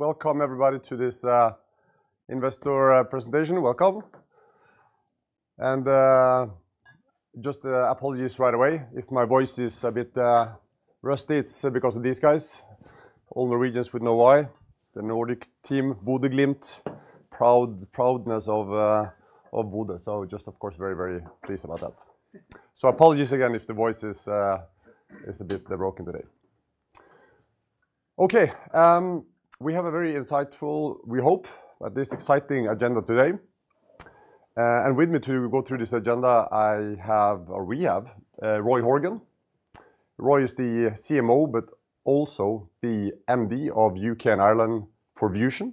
Welcome everybody to this investor presentation. Welcome. Just apologies right away if my voice is a bit rusty, it's because of these guys. All Norwegians would know why. The Nordic team, Bodø/Glimt, pride of Bodø. Just of course very, very pleased about that. Apologies again if the voice is a bit broken today. We have a very insightful, we hope, this exciting agenda today. With me to go through this agenda, I have, or we have, Roy Horgan. Roy is the CMO but also the MD of UK and Ireland for Vusion.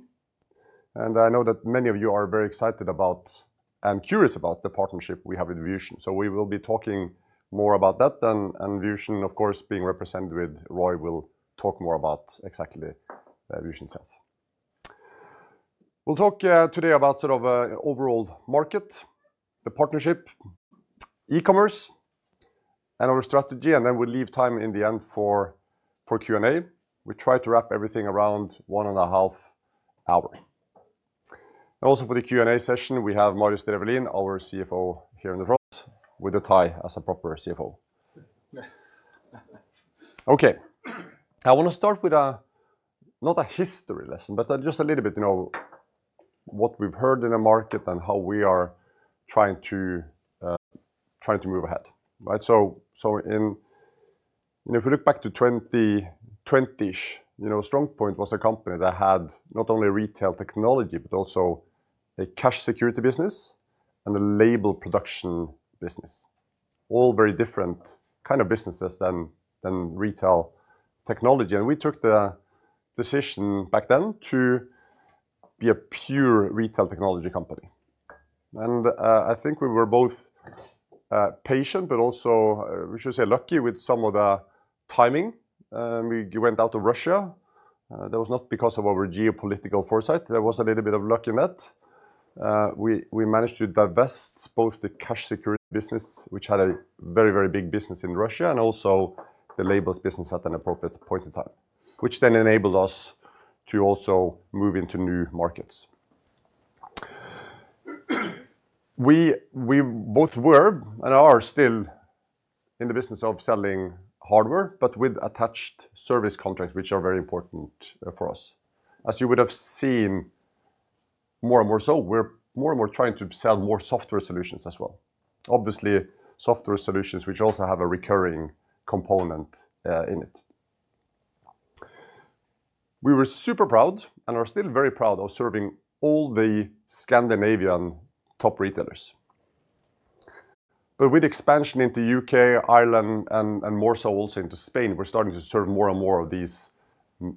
I know that many of you are very excited about and curious about the partnership we have with Vusion. We will be talking more about that then, and Vusion of course, being represented with Roy will talk more about exactly Vusion itself. We'll talk today about sort of overall market, the partnership, e-commerce, and our strategy, and then we'll leave time in the end for Q&A. We try to wrap everything around 1.5 hours. Also for the Q&A session, we have Marius Drefvelin, our CFO, here in the front with a tie as a proper CFO. I want to start with not a history lesson, but just a little bit, you know, what we've heard in the market and how we are trying to move ahead, right? If we look back to 2020-ish, you know, StrongPoint was a company that had not only retail technology, but also a cash security business and a label production business. All very different kind of businesses than retail technology. We took the decision back then to be a pure retail technology company. I think we were both patient, but also we should say lucky with some of the timing. We went out to Russia. That was not because of our geopolitical foresight. There was a little bit of luck in that. We managed to divest both the cash security business, which had a very big business in Russia, and also the labels business at an appropriate point in time, which then enabled us to also move into new markets. We both were and are still in the business of selling hardware, but with attached service contracts, which are very important for us. As you would have seen more and more so, we're more and more trying to sell more software solutions as well. Obviously, software solutions which also have a recurring component in it. We were super proud and are still very proud of serving all the Scandinavian top retailers. With expansion into U.K., Ireland and more so also into Spain, we're starting to serve more and more of these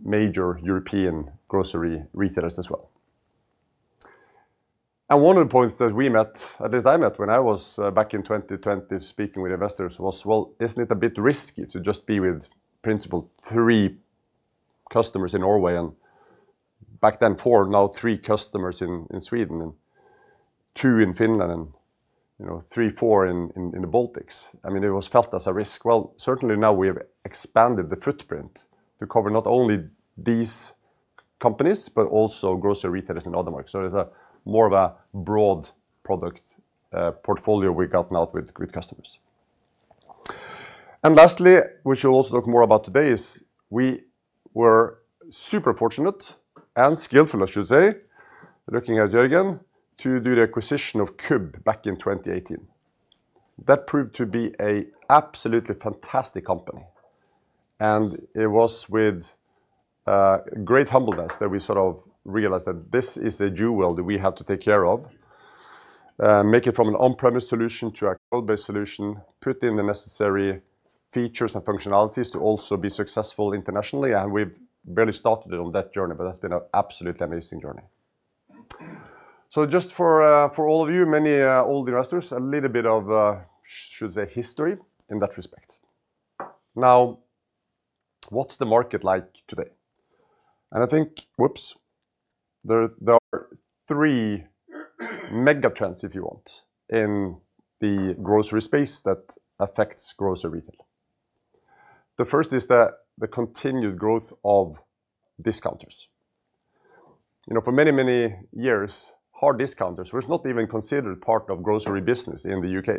major European grocery retailers as well. One of the points that we met, at least I met when I was back in 2020 speaking with investors was, well, isn't it a bit risky to just be with principal three customers in Norway and back then four, now three customers in Sweden and two in Finland and, you know, three, four in the Baltics? I mean, it was felt as a risk. Well, certainly now we have expanded the footprint to cover not only these companies, but also grocery retailers in other markets. It's a more of a broad product portfolio we got now with customers. Lastly, we should also talk more about today is we were super fortunate and skillful, I should say, looking at Jørgen, to do the acquisition of CUB back in 2018. That proved to be a absolutely fantastic company. It was with great humbleness that we sort of realized that this is a jewel that we have to take care of, make it from an on-premise solution to a cloud-based solution, put in the necessary features and functionalities to also be successful internationally, and we've barely started on that journey, but that's been an absolutely amazing journey. So just for all of you, many old investors, a little bit of history in that respect. Now, what's the market like today? I think, whoops, there are three mega trends, if you want, in the grocery space that affects grocery retail. The first is the continued growth of discounters. You know, for many, many years, hard discounters was not even considered part of grocery business in the U.K.,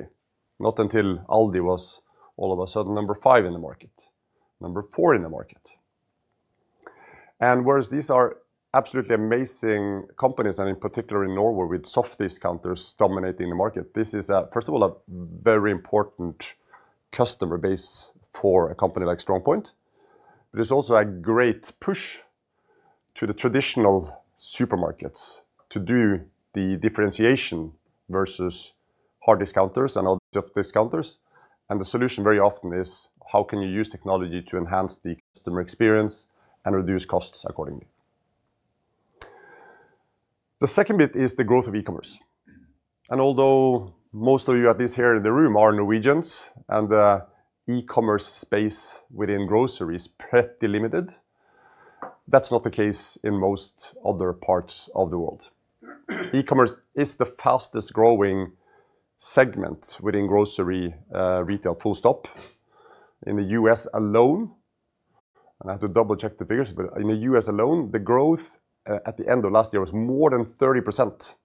not until ALDI was all of a sudden number five in the market, number four in the market. Whereas these are absolutely amazing companies, and in particular in Norway with soft discounters dominating the market, this is first of all, a very important customer base for a company like StrongPoint. There's also a great push to the traditional supermarkets to do the differentiation versus hard discounters and all the soft discounters. The solution very often is how can you use technology to enhance the customer experience and reduce costs accordingly. The second bit is the growth of e-commerce. Although most of you at least here in the room are Norwegians and the e-commerce space within grocery is pretty limited, that's not the case in most other parts of the world. E-commerce is the fastest-growing segment within grocery, retail full stop. In the U.S. alone, and I have to double-check the figures, but in the U.S. alone, the growth, at the end of last year was more than 30%.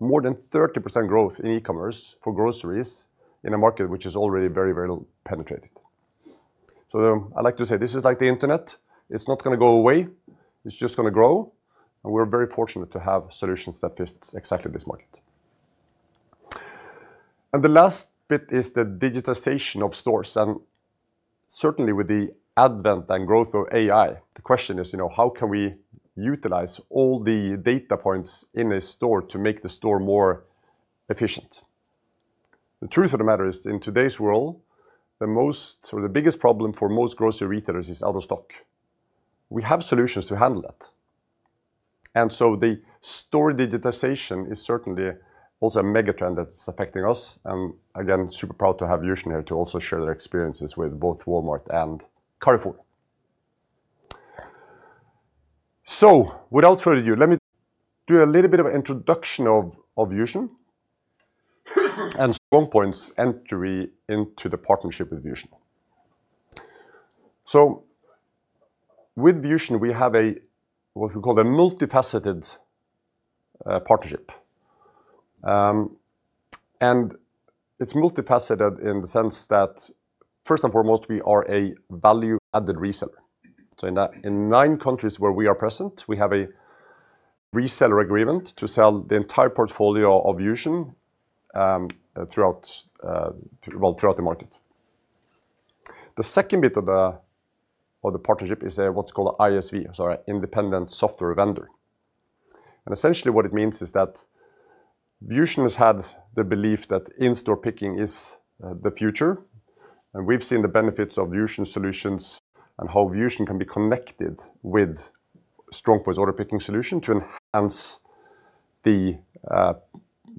More than 30% growth in e-commerce for groceries in a market which is already very, very penetrated. I like to say this is like the Internet. It's not gonna go away. It's just gonna grow, and we're very fortunate to have solutions that fits exactly this market. The last bit is the digitization of stores. Certainly with the advent and growth of AI, the question is, you know, how can we utilize all the data points in a store to make the store more efficient? The truth of the matter is, in today's world, the most or the biggest problem for most grocery retailers is out of stock. We have solutions to handle that. The store digitization is certainly also a mega trend that's affecting us, and again, super proud to have Vusion here to also share their experiences with both Walmart and Carrefour. Without further ado, let me do a little bit of introduction of Vusion and StrongPoint's entry into the partnership with Vusion. With Vusion, we have a, what we call a multifaceted partnership. And it's multifaceted in the sense that first and foremost, we are a value-added reseller. In nine countries where we are present, we have a reseller agreement to sell the entire portfolio of Vusion throughout the market. The second bit of the partnership is what's called ISV, so independent software vendor. Essentially what it means is that Vusion has had the belief that in-store picking is the future, and we've seen the benefits of Vusion solutions and how Vusion can be connected with StrongPoint's order picking solution to enhance the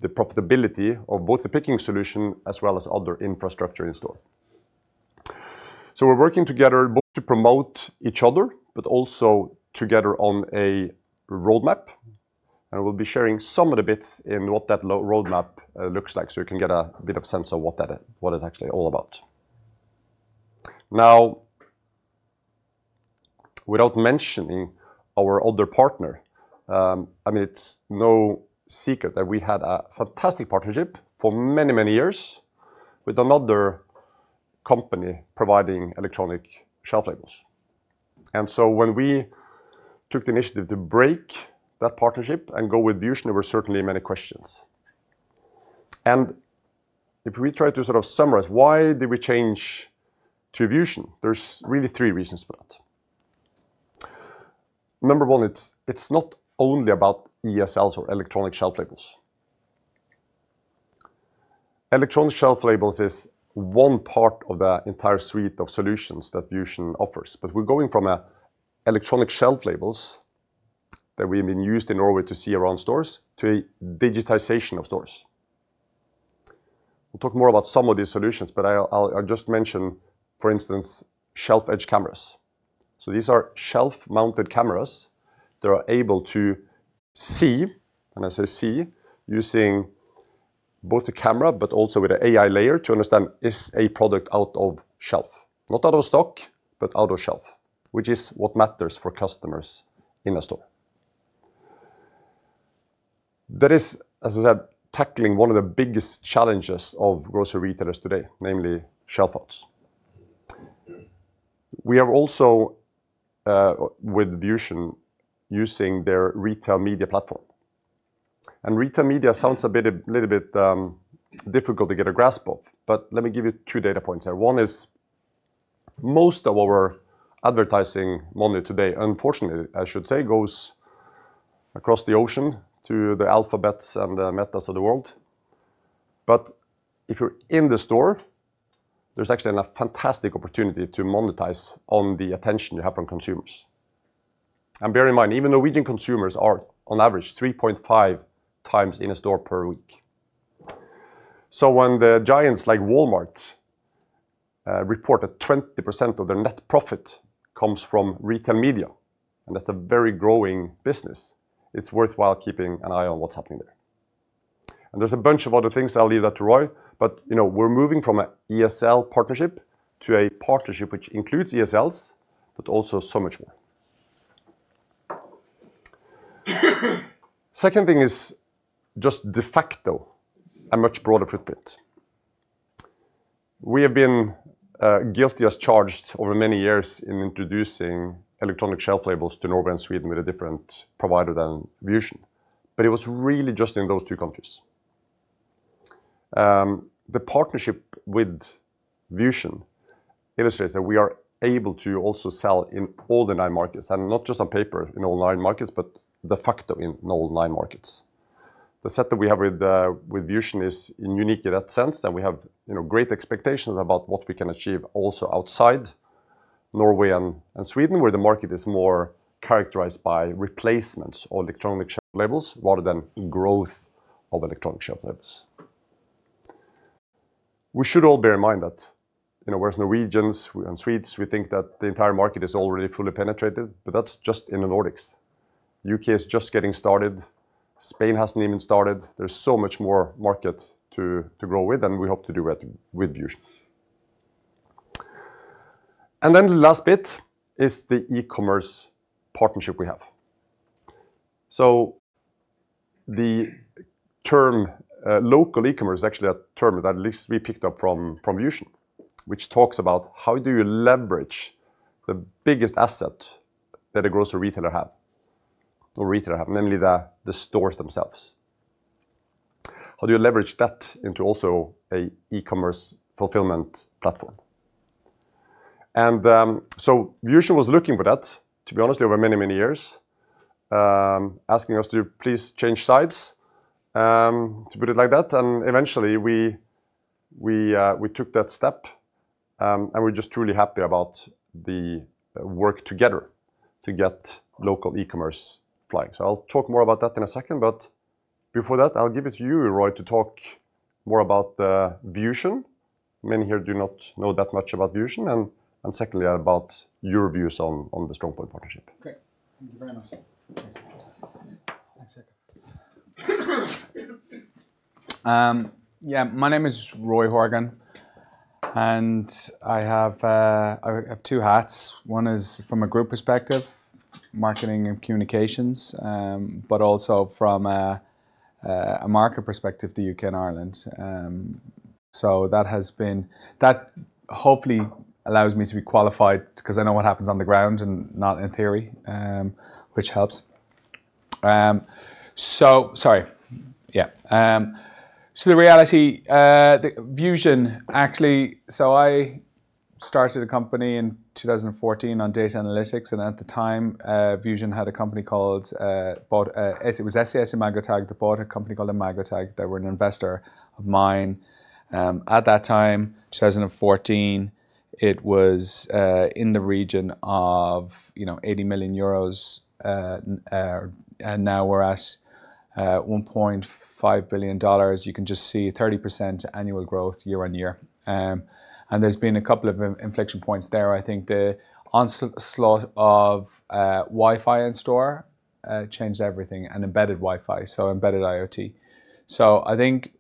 profitability of both the picking solution as well as other infrastructure in-store. We're working together both to promote each other, but also together on a roadmap, and we'll be sharing some of the bits in what that roadmap looks like, so you can get a bit of sense of what it's actually all about. Now, without mentioning our other partner, I mean, it's no secret that we had a fantastic partnership for many, many years with another company providing electronic shelf labels. When we took the initiative to break that partnership and go with Vusion, there were certainly many questions. If we try to sort of summarize why did we change to Vusion, there's really three reasons for that. Number one, it's not only about ESLs or electronic shelf labels. Electronic shelf labels is one part of the entire suite of solutions that Vusion offers, but we're going from a electronic shelf labels that we've been using in Norway to see around stores to a digitization of stores. We'll talk more about some of these solutions, but I'll just mention, for instance, shelf-edge cameras. These are shelf-mounted cameras that are able to see, and I say see using both the camera but also with an AI layer to understand, is a product out of shelf? Not out of stock, but out of shelf, which is what matters for customers in a store. That is, as I said, tackling one of the biggest challenges of grocery retailers today, namely shelf outs. We are also with Vusion using their retail media platform. Retail media sounds a bit, a little bit difficult to get a grasp of, but let me give you two data points there. One is most of our advertising money today, unfortunately, I should say, goes across the ocean to the Alphabet and the Meta of the world. If you're in the store, there's actually a fantastic opportunity to monetize on the attention you have from consumers. Bear in mind, even Norwegian consumers are on average 3.5x in a store per week. When the giants like Walmart report that 20% of their net profit comes from retail media, and that's a very growing business, it's worthwhile keeping an eye on what's happening there. There's a bunch of other things. I'll leave that to Roy. You know, we're moving from a ESL partnership to a partnership which includes ESLs but also so much more. Second thing is just de facto, a much broader footprint. We have been guilty as charged over many years in introducing electronic shelf labels to Norway and Sweden with a different provider than Vusion, but it was really just in those two countries. The partnership with Vusion illustrates that we are able to also sell in all nine markets, and not just on paper in all nine markets, but de facto in all nine markets. The set that we have with Vusion is unique in that sense that we have, you know, great expectations about what we can achieve also outside Norway and Sweden, where the market is more characterized by replacements of electronic shelf labels rather than growth of electronic shelf labels. We should all bear in mind that, you know, whereas Norwegians and Swedes, we think that the entire market is already fully penetrated, but that's just in the Nordics. U.K. is just getting started. Spain hasn't even started. There's so much more market to grow with, and we hope to do it with Vusion. Then the last bit is the e-commerce partnership we have. The term local e-commerce is actually a term that at least we picked up from Vusion, which talks about how do you leverage the biggest asset that a grocery retailer have or retailer have, namely the stores themselves. How do you leverage that into also an e-commerce fulfillment platform? Vusion was looking for that, to be honest, over many, many years, asking us to please change sides, to put it like that. Eventually we took that step, and we're just truly happy about the work together to get local e-commerce flying. I'll talk more about that in a second, but before that I'll give it to you, Roy, to talk more about the Vusion. Many here do not know that much about Vusion and secondly, about your views on the StrongPoint partnership. Great. Thank you very much. Thanks. Yeah, my name is Roy Horgan, and I have two hats. One is from a group perspective, marketing and communications, but also from a market perspective, the U.K. and Ireland. That hopefully allows me to be qualified 'cause I know what happens on the ground and not in theory, which helps. Sorry. Yeah. The reality, the Vusion actually. I started a company in 2014 on data analytics, and at the time, Vusion had a company called bought, it's, it was SES-imagotag that bought a company called imagotag. They were an investor of mine. At that time, 2014, it was in the region of, you know, 80 million euros. Now we're at $1.5 billion. You can just see 30% annual growth year-on-year. There's been a couple of inflection points there. I think the onslaught of Wi-Fi in store changed everything, and embedded Wi-Fi, so embedded IoT. I think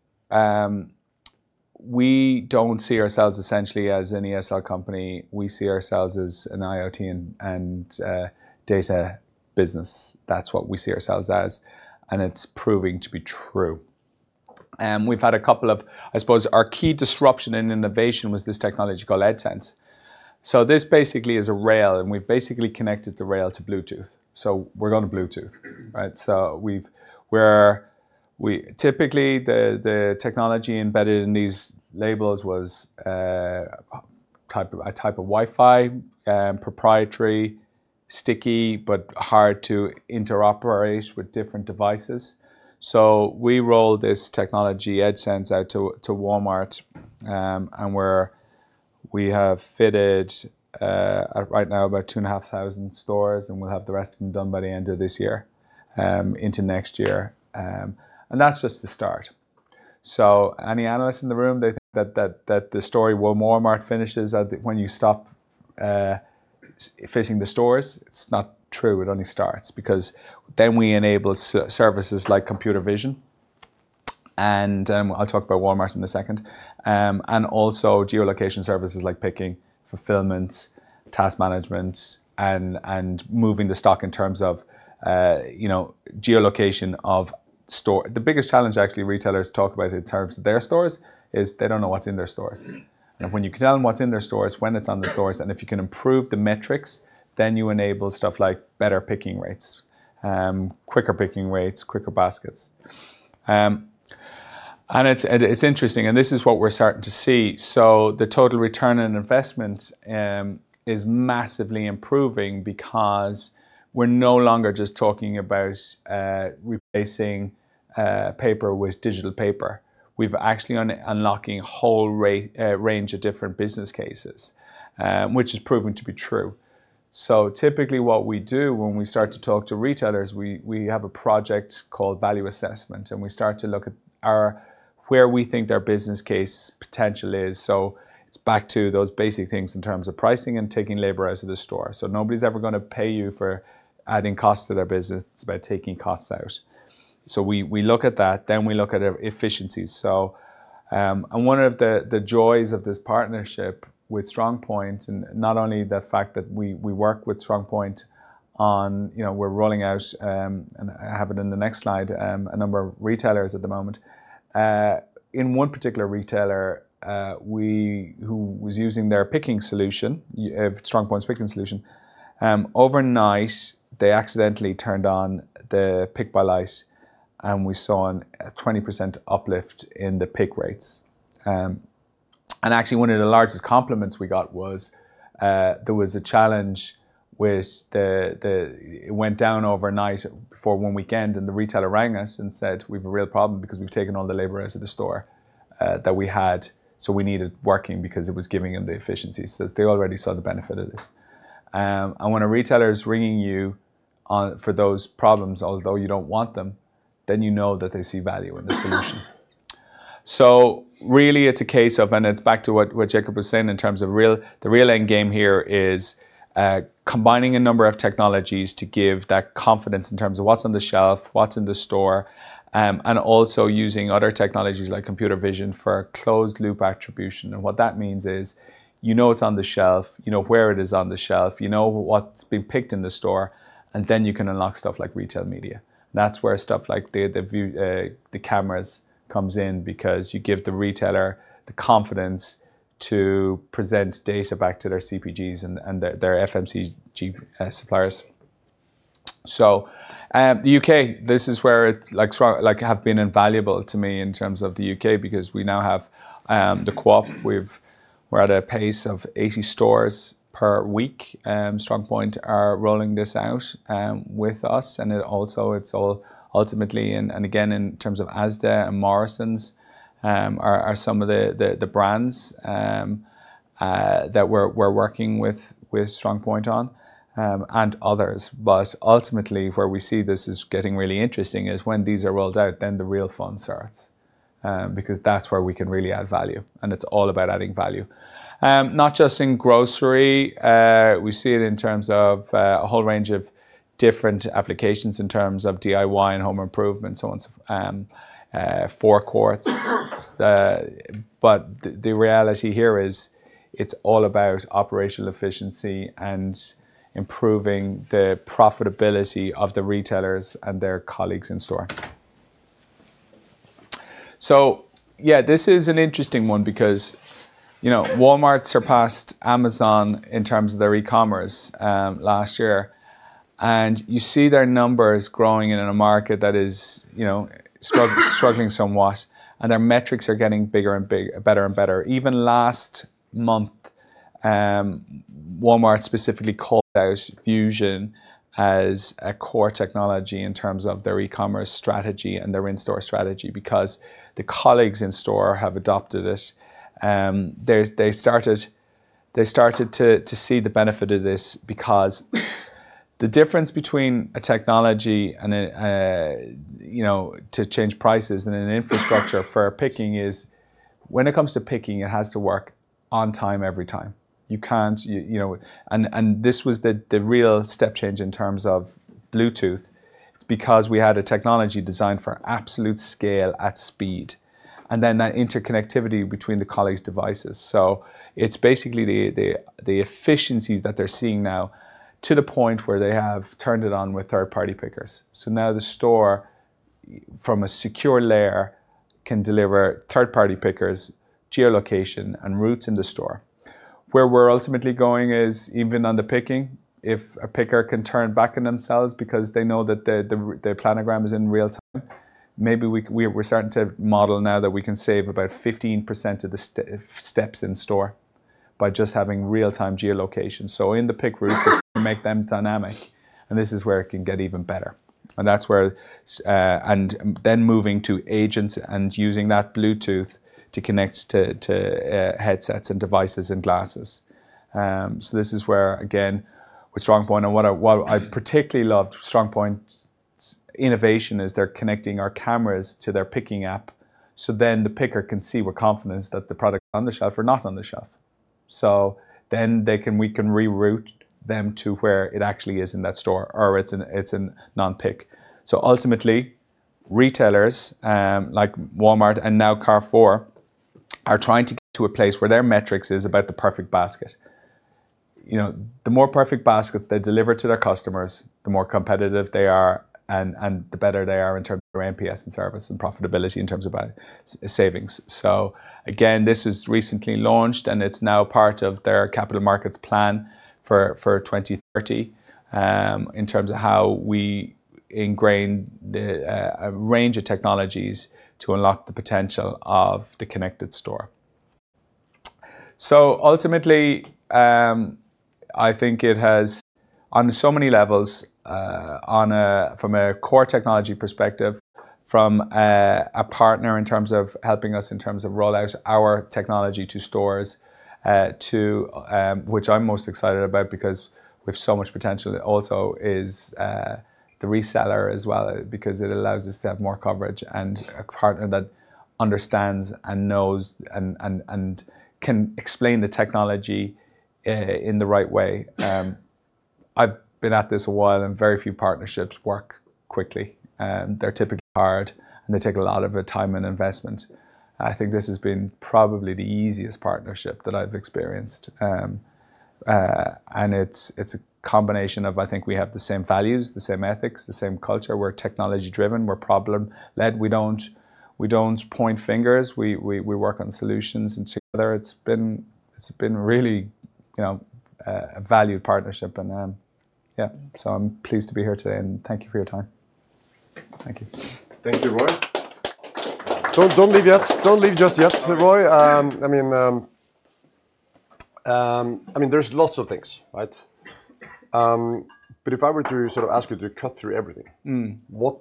we don't see ourselves essentially as an ESL company. We see ourselves as an IoT and data business. That's what we see ourselves as, and it's proving to be true. We've had a couple of, I suppose, our key disruption in innovation was this technology called EdgeSense. This basically is a rail, and we've basically connected the rail to Bluetooth. We're going to Bluetooth, right? We've...Typically, the technology embedded in these labels was a type of Wi-Fi, proprietary, sticky, but hard to interoperate with different devices. We rolled this technology, EdgeSense, out to Walmart, and we have fitted right now about 2,500 stores, and we'll have the rest of them done by the end of this year, into next year. That's just the start. Any analysts in the room, they think that the story with Walmart finishes when you stop fitting the stores. It's not true. It only starts because then we enable services like computer vision. I'll talk about Walmart in a second. Also geolocation services like picking, fulfillments, task management and moving the stock in terms of, you know, geolocation of store. The biggest challenge actually retailers talk about in terms of their stores is they don't know what's in their stores. When you can tell them what's in their stores, when it's on their stores, and if you can improve the metrics, then you enable stuff like better picking rates, quicker picking rates, quicker baskets. It's interesting, and this is what we're starting to see. The total return on investment is massively improving because we're no longer just talking about replacing paper with digital paper. We've actually unlocking a whole range of different business cases, which has proven to be true. Typically what we do when we start to talk to retailers, we have a project called value assessment, and we start to look at where we think their business case potential is. It's back to those basic things in terms of pricing and taking labor out of the store. Nobody's ever gonna pay you for adding cost to their business. It's about taking costs out. We look at that, then we look at efficiencies. One of the joys of this partnership with StrongPoint and not only the fact that we work with StrongPoint on, you know, we're rolling out, and I have it in the next slide, a number of retailers at the moment. In one particular retailer who was using their picking solution, StrongPoint's picking solution, overnight they accidentally turned on the pick by light and we saw a 20% uplift in the pick rates. Actually one of the largest compliments we got was there was a challenge with it. It went down overnight for one weekend and the retailer rang us and said, "We've a real problem because we've taken all the labor out of the store that we had, so we need it working," because it was giving them the efficiencies. They already saw the benefit of this. When a retailer is ringing you for those problems, although you don't want them, then you know that they see value in the solution. So really it's a case of, it's back to what Jacob was saying in terms of the real end game here is, combining a number of technologies to give that confidence in terms of what's on the shelf, what's in the store, and also using other technologies like computer vision for closed loop attribution. What that means is you know it's on the shelf, you know where it is on the shelf, you know what's been picked in the store, and then you can unlock stuff like retail media. That's where stuff like the cameras comes in because you give the retailer the confidence to present data back to their CPGs and their FMCG suppliers. The U.K., this is where StrongPoint have been invaluable to me in terms of the U.K. because we now have the Co-op, we're at a pace of 80 stores per week. StrongPoint are rolling this out with us, and it also, it's all ultimately, and again in terms of Asda and Morrisons are some of the brands that we're working with StrongPoint on, and others. Ultimately where we see this as getting really interesting is when these are rolled out, then the real fun starts, because that's where we can really add value, and it's all about adding value. Not just in grocery, we see it in terms of a whole range of different applications in terms of DIY and home improvement, so on, forecourts. The reality here is it's all about operational efficiency and improving the profitability of the retailers and their colleagues in store. Yeah, this is an interesting one because, you know, Walmart surpassed Amazon in terms of their e-commerce last year, and you see their numbers growing in a market that is, you know, struggling somewhat, and their metrics are getting bigger and better. Even last month, Walmart specifically called out Vusion as a core technology in terms of their e-commerce strategy and their in-store strategy because the colleagues in store have adopted it. They started to see the benefit of this because the difference between a technology to change prices and an infrastructure for picking is when it comes to picking, it has to work on time every time. You can't, you know. This was the real step change in terms of Bluetooth. It's because we had a technology designed for absolute scale at speed, and then that interconnectivity between the colleagues' devices. It's basically the efficiencies that they're seeing now to the point where they have turned it on with third-party pickers. Now the store, from a secure layer, can deliver third-party pickers geolocation and routes in the store. Where we're ultimately going is even on the picking, if a picker can turn back on themselves because they know that the planogram is in real time, maybe we're starting to model now that we can save about 15% of the steps in store by just having real-time geolocation. In the pick routes, we make them dynamic, and this is where it can get even better. That's where, and then moving to agents and using that Bluetooth to connect to headsets and devices and glasses. This is where again with StrongPoint and what I particularly loved StrongPoint's innovation is they're connecting our cameras to their picking app, so then the picker can see with confidence that the product is on the shelf or not on the shelf. Then they can, we can reroute them to where it actually is in that store or it's an non-pick. Ultimately, retailers like Walmart and now Carrefour are trying to get to a place where their metrics is about the perfect basket. You know, the more perfect baskets they deliver to their customers, the more competitive they are and the better they are in terms of their NPS and service and profitability in terms of savings. Again, this was recently launched, and it's now part of their capital markets plan for 2030, in terms of how we ingrain a range of technologies to unlock the potential of the connected store. Ultimately, I think it has on so many levels, on a from a core technology perspective, from a partner in terms of helping us in terms of roll out our technology to stores, to which I'm most excited about because we've so much potential. It also is the reseller as well because it allows us to have more coverage and a partner that understands and knows and can explain the technology in the right way. I've been at this a while, and very few partnerships work quickly. They're typically hard, and they take a lot of time and investment. I think this has been probably the easiest partnership that I've experienced. It's a combination of I think we have the same values, the same ethics, the same culture. We're technology-driven. We're problem-led. We don't point fingers. We work on solutions and together it's been really, you know, a valued partnership and yeah. I'm pleased to be here today, and thank you for your time. Thank you. Thank you, Roy. Don't leave just yet, Roy. I mean, there's lots of things, right? If I were to sort of ask you to cut through everything. Mm. What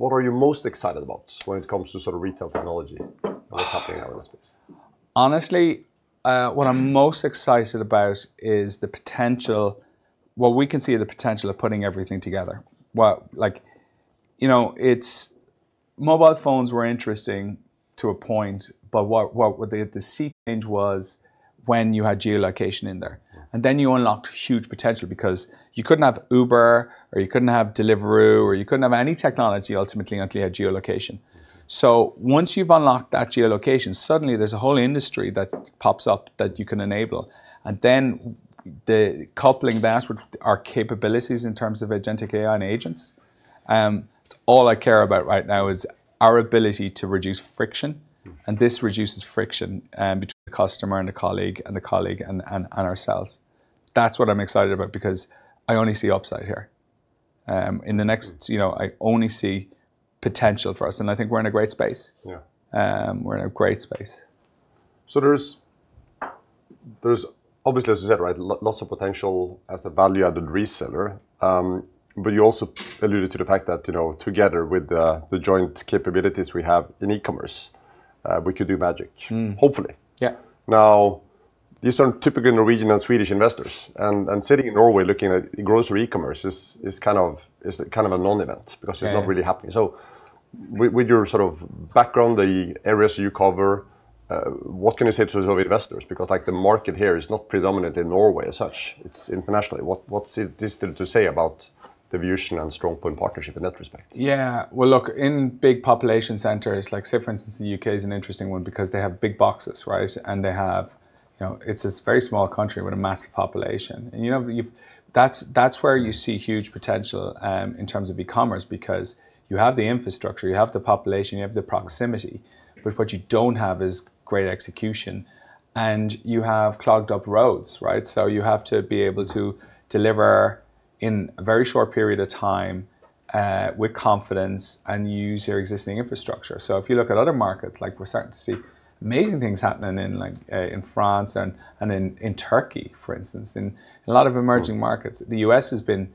are you most excited about when it comes to sort of retail technology and what's happening out in the space? Honestly, what I'm most excited about is the potential. Well, we can see the potential of putting everything together. Well, like, you know, it's mobile phones were interesting to a point, but what the sea change was when you had geolocation in there, and then you unlocked huge potential because you couldn't have Uber or you couldn't have Deliveroo or you couldn't have any technology ultimately until you had geolocation. Once you've unlocked that geolocation, suddenly there's a whole industry that pops up that you can enable, and then the coupling that with our capabilities in terms of agentic AI and agents, it's all I care about right now is our ability to reduce friction, and this reduces friction between the customer and the colleague and the colleague and ourselves. That's what I'm excited about because I only see upside here. In the next, you know, I only see potential for us, and I think we're in a great space. Yeah. We're in a great space. There's obviously, as you said, right, lots of potential as a value-added reseller, but you also alluded to the fact that, you know, together with the joint capabilities we have in e-commerce, we could do magic. Mm. Hopefully. Yeah. Now, these aren't typical Norwegian and Swedish investors, and sitting in Norway looking at grocery e-commerce is kind of a non-event because. Yeah It's not really happening. With your sort of background, the areas you cover, what can you say to sort of investors? Because, like, the market here is not predominant in Norway as such. It's internationally. What's this to say about the Vusion and StrongPoint partnership in that respect? Yeah. Well, look, in big population centers, like say for instance, the U.K. is an interesting one because they have big boxes, right? And they have, you know, it's this very small country with a massive population, and, you know, that's where you see huge potential in terms of e-commerce because you have the infrastructure, you have the population, you have the proximity. What you don't have is great execution, and you have clogged up roads, right? You have to be able to deliver in a very short period of time with confidence and use your existing infrastructure. If you look at other markets, like we're starting to see amazing things happening in, like, France and in Turkey, for instance. In a lot of emerging markets. The U.S. has been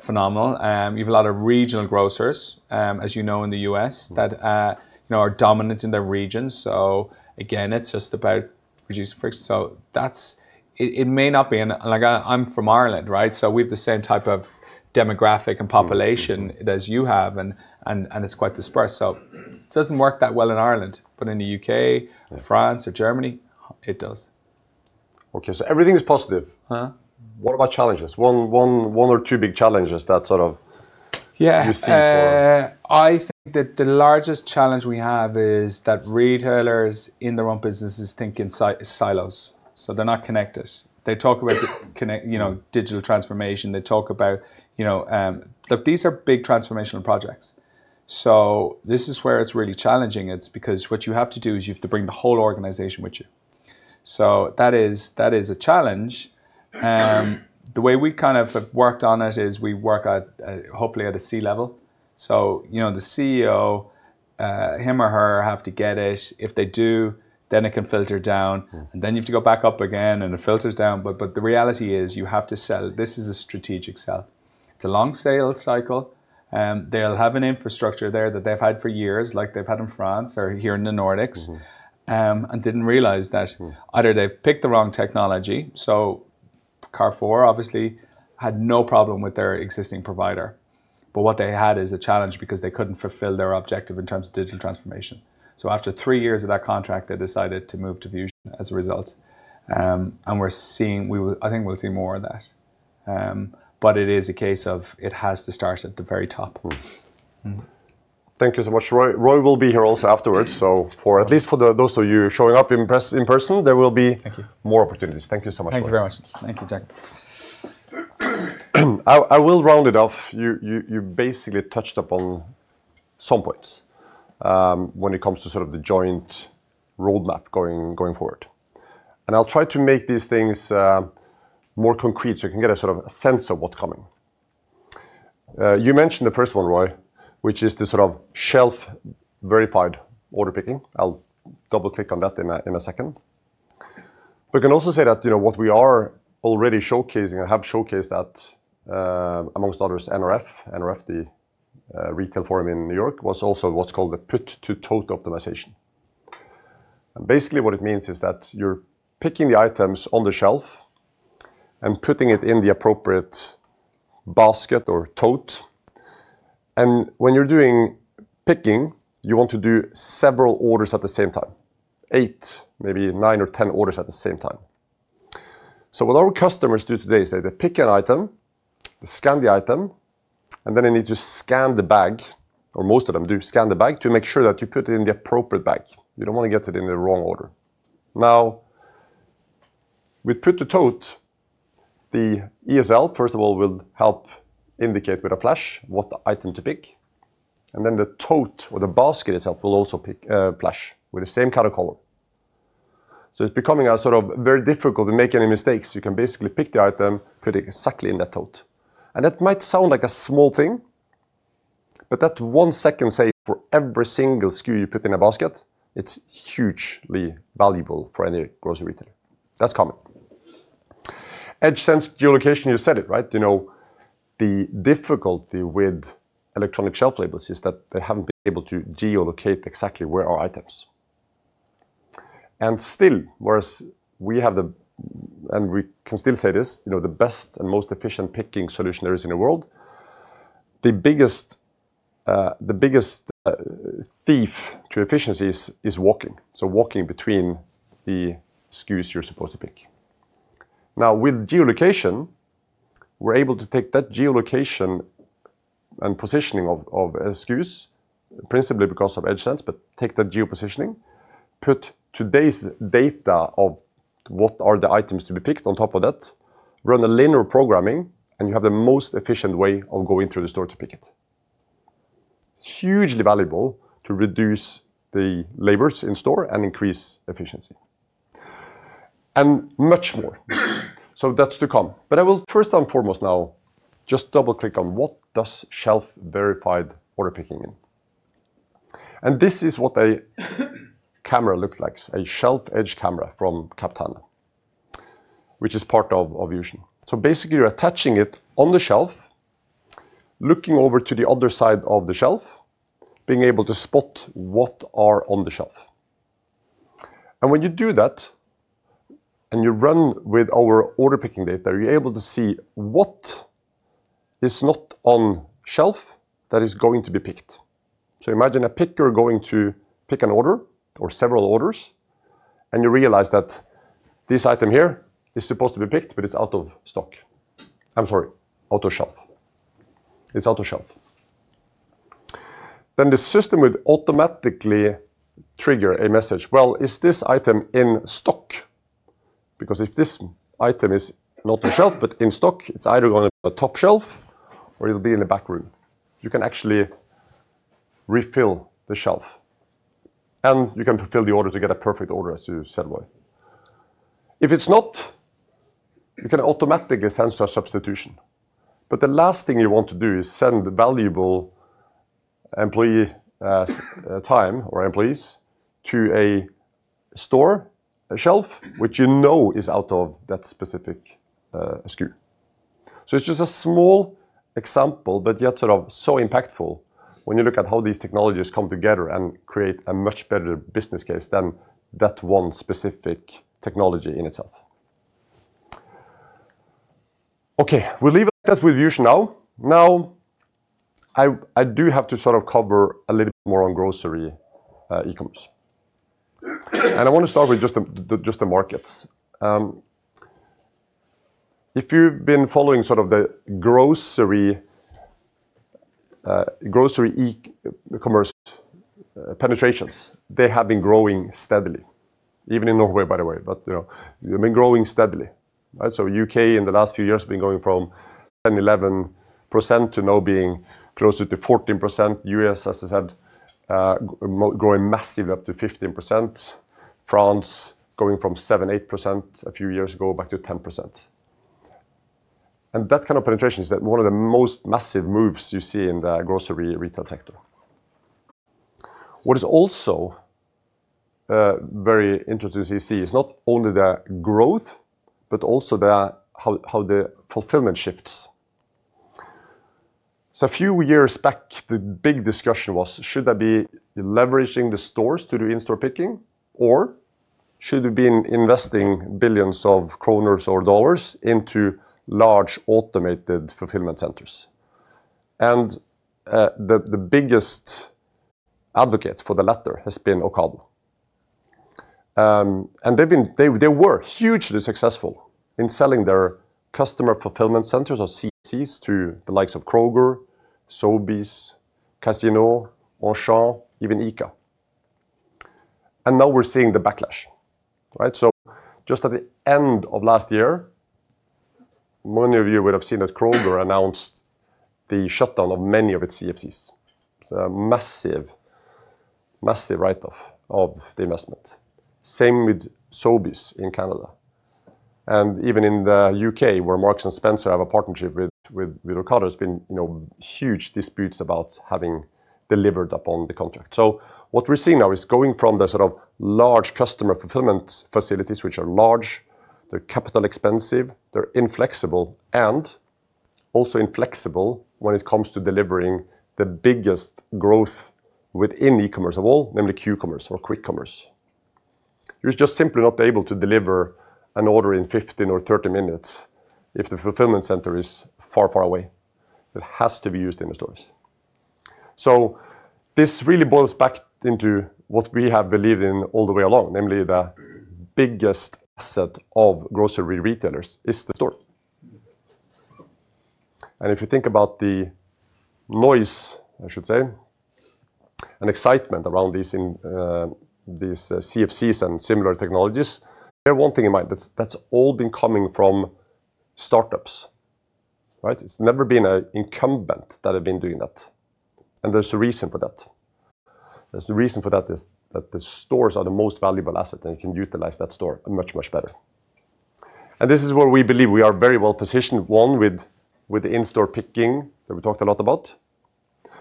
phenomenal. You have a lot of regional grocers, as you know, in the U.S. that you know are dominant in their region. Again, it's just about reducing friction. That's it may not be in, like, I'm from Ireland, right? We have the same type of demographic and population as you have and it's quite dispersed. It doesn't work that well in Ireland, but in the U.K., France or Germany, it does. Okay. Everything is positive. Uh-huh. What about challenges? One or two big challenges that sort of. Yeah... you see for- I think that the largest challenge we have is that retailers in their own businesses think in silos. They're not connected. They talk about, you know, digital transformation. They talk about, you know, Look, these are big transformational projects, so this is where it's really challenging. It's because what you have to do is you have to bring the whole organization with you. That is a challenge. The way we kind of have worked on it is we work at, hopefully at a C level. You know, the CEO, him or her have to get it. If they do, then it can filter down. Mm. Then you have to go back up again, and it filters down. The reality is you have to sell. This is a strategic sell. It's a long sales cycle. They'll have an infrastructure there that they've had for years, like they've had in France or here in the Nordics. Mm-hmm. Didn't realize that either they've picked the wrong technology, so Carrefour obviously had no problem with their existing provider. What they had is a challenge because they couldn't fulfill their objective in terms of digital transformation. After three years of that contract, they decided to move to Vusion as a result. I think we'll see more of that. It is a case of it has to start at the very top. Thank you so much, Roy. Roy will be here also afterwards. For, at least for those of you showing up in person, there will be- Thank you. more opportunities. Thank you so much, Roy. Thank you very much. Thank you, Jack. I will round it off. You basically touched upon some points when it comes to sort of the joint roadmap going forward, and I'll try to make these things more concrete so you can get a sort of a sense of what's coming. You mentioned the first one, Roy, which is the sort of shelf-verified order picking. I'll double-click on that in a second. We can also say that, you know, what we are already showcasing, or have showcased at, among others, NRF, the retail forum in New York, was also what's called the pick-to-tote optimization. Basically what it means is that you're picking the items on the shelf and putting it in the appropriate basket or tote, and when you're doing picking, you want to do several orders at the same time. Eight, maybe nine or 10 orders at the same time. What our customers do today is they pick an item, they scan the item, and then they need to scan the bag, or most of them do scan the bag to make sure that you put it in the appropriate bag. You don't want to get it in the wrong order. Now, with Pick-to-Tote, the ESL, first of all, will help indicate with a flash what item to pick, and then the tote or the basket itself will also flash with the same kind of color. It's becoming a sort of very difficult to make any mistakes. You can basically pick the item, put it exactly in that tote, and that might sound like a small thing, but that one second saved for every single SKU you put in a basket, it's hugely valuable for any grocery retailer. That's coming. EdgeSense geolocation, you said it, right? You know, the difficulty with electronic shelf labels is that they haven't been able to geolocate exactly where are items. Still, whereas we have the, and we can still say this, you know, the best and most efficient picking solution there is in the world. The biggest thief to efficiency is walking. Walking between the SKUs you're supposed to pick. Now, with geolocation, we're able to take that geolocation and positioning of SKUs, principally because of EdgeSense, but take that geo-positioning, put today's data of what are the items to be picked on top of that, run a linear programming, and you have the most efficient way of going through the store to pick it. Hugely valuable to reduce the labors in store and increase efficiency. Much more. That's to come. I will first and foremost now just double-click on what does shelf-verified order picking mean. This is what a camera looks like, a shelf edge camera from Captana, which is part of Vusion. Basically, you're attaching it on the shelf, looking over to the other side of the shelf, being able to spot what are on the shelf. When you do that, and you run with our order picking data, you're able to see what is not on shelf that is going to be picked. Imagine a picker going to pick an order or several orders, and you realize that this item here is supposed to be picked, but it's out of stock. I'm sorry, out of shelf. It's out of shelf. Then the system would automatically trigger a message. Well, is this item in stock? Because if this item is not on shelf but in stock, it's either gonna be on a top shelf or it'll be in the back room. You can actually refill the shelf, and you can fulfill the order to get a perfect order as you set away. If it's not, you can automatically send a substitution. The last thing you want to do is send the valuable employee time or employees to a store, a shelf, which you know is out of that specific SKU. It's just a small example, but yet sort of so impactful when you look at how these technologies come together and create a much better business case than that one specific technology in itself. Okay, we'll leave it at that with Vusion now. Now, I do have to sort of cover a little bit more on grocery e-commerce. I wanna start with just the markets. If you've been following sort of the grocery e-commerce penetrations, they have been growing steadily, even in Norway, by the way. You know, they've been growing steadily, right? U.K. in the last few years has been going from 10%-11% to now being closer to 14%. U.S., as I said, growing massive up to 15%. France going from 7%-8% a few years ago back to 10%. That kind of penetration is one of the most massive moves you see in the grocery retail sector. What is also very interesting to see is not only the growth, but also the how the fulfillment shifts. A few years back, the big discussion was, should I be leveraging the stores to do in-store picking, or should we be investing billions of NOK or USD into large automated fulfillment centers? The biggest advocate for the latter has been Ocado. They were hugely successful in selling their customer fulfillment centers, or CFCs, to the likes of Kroger, Sobeys, Casino, Auchan, even ICA. Now we're seeing the backlash, right? Just at the end of last year, many of you would have seen that Kroger announced the shutdown of many of its CFCs. It's a massive write-off of the investment. Same with Sobeys in Canada. Even in the U.K., where Marks & Spencer have a partnership with Ocado, there's been, you know, huge disputes about having delivered upon the contract. What we're seeing now is going from the sort of large customer fulfillment facilities, which are large, they're capital-intensive, they're inflexible, and also inflexible when it comes to delivering the biggest growth within e-commerce of all, namely Q-commerce or quick commerce. You're just simply not able to deliver an order in 15 or 30 minutes if the fulfillment center is far, far away. It has to be used in the stores. This really boils back into what we have believed in all the way along, namely the biggest asset of grocery retailers is the store. If you think about the noise, I should say, and excitement around these in, these CFCs and similar technologies, bear one thing in mind, that's all been coming from startups, right? It's never been an incumbent that have been doing that. There's a reason for that is that the stores are the most valuable asset, and you can utilize that store much, much better. This is where we believe we are very well-positioned, one, with the in-store picking that we talked a lot about,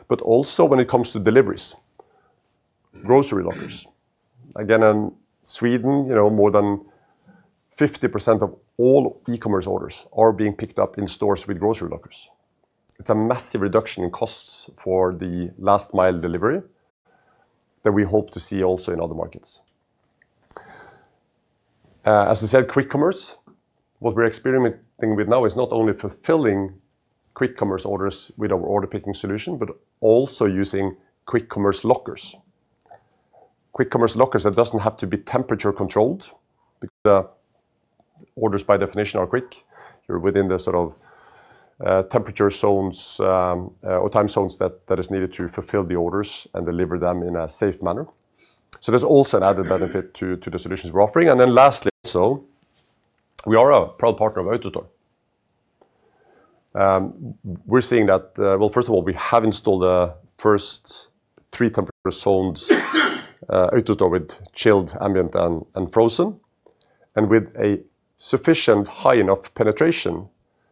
but also when it comes to deliveries, grocery deliveries. Again, in Sweden, you know, more than 50% of all e-commerce orders are being picked up in stores with grocery lockers. It's a massive reduction in costs for the last mile delivery that we hope to see also in other markets. As I said, quick commerce, what we're experimenting with now is not only fulfilling quick commerce orders with our order picking solution, but also using quick commerce lockers. Quick commerce lockers that doesn't have to be temperature controlled because the orders by definition are quick. You're within the sort of temperature zones or time zones that is needed to fulfill the orders and deliver them in a safe manner. There's also an added benefit to the solutions we're offering. Then lastly also, we are a proud partner of Utetorg. We're seeing that, well, first of all, we have installed the first three temperature zones, Utetorg with chilled, ambient, and frozen. With a sufficient high enough penetration,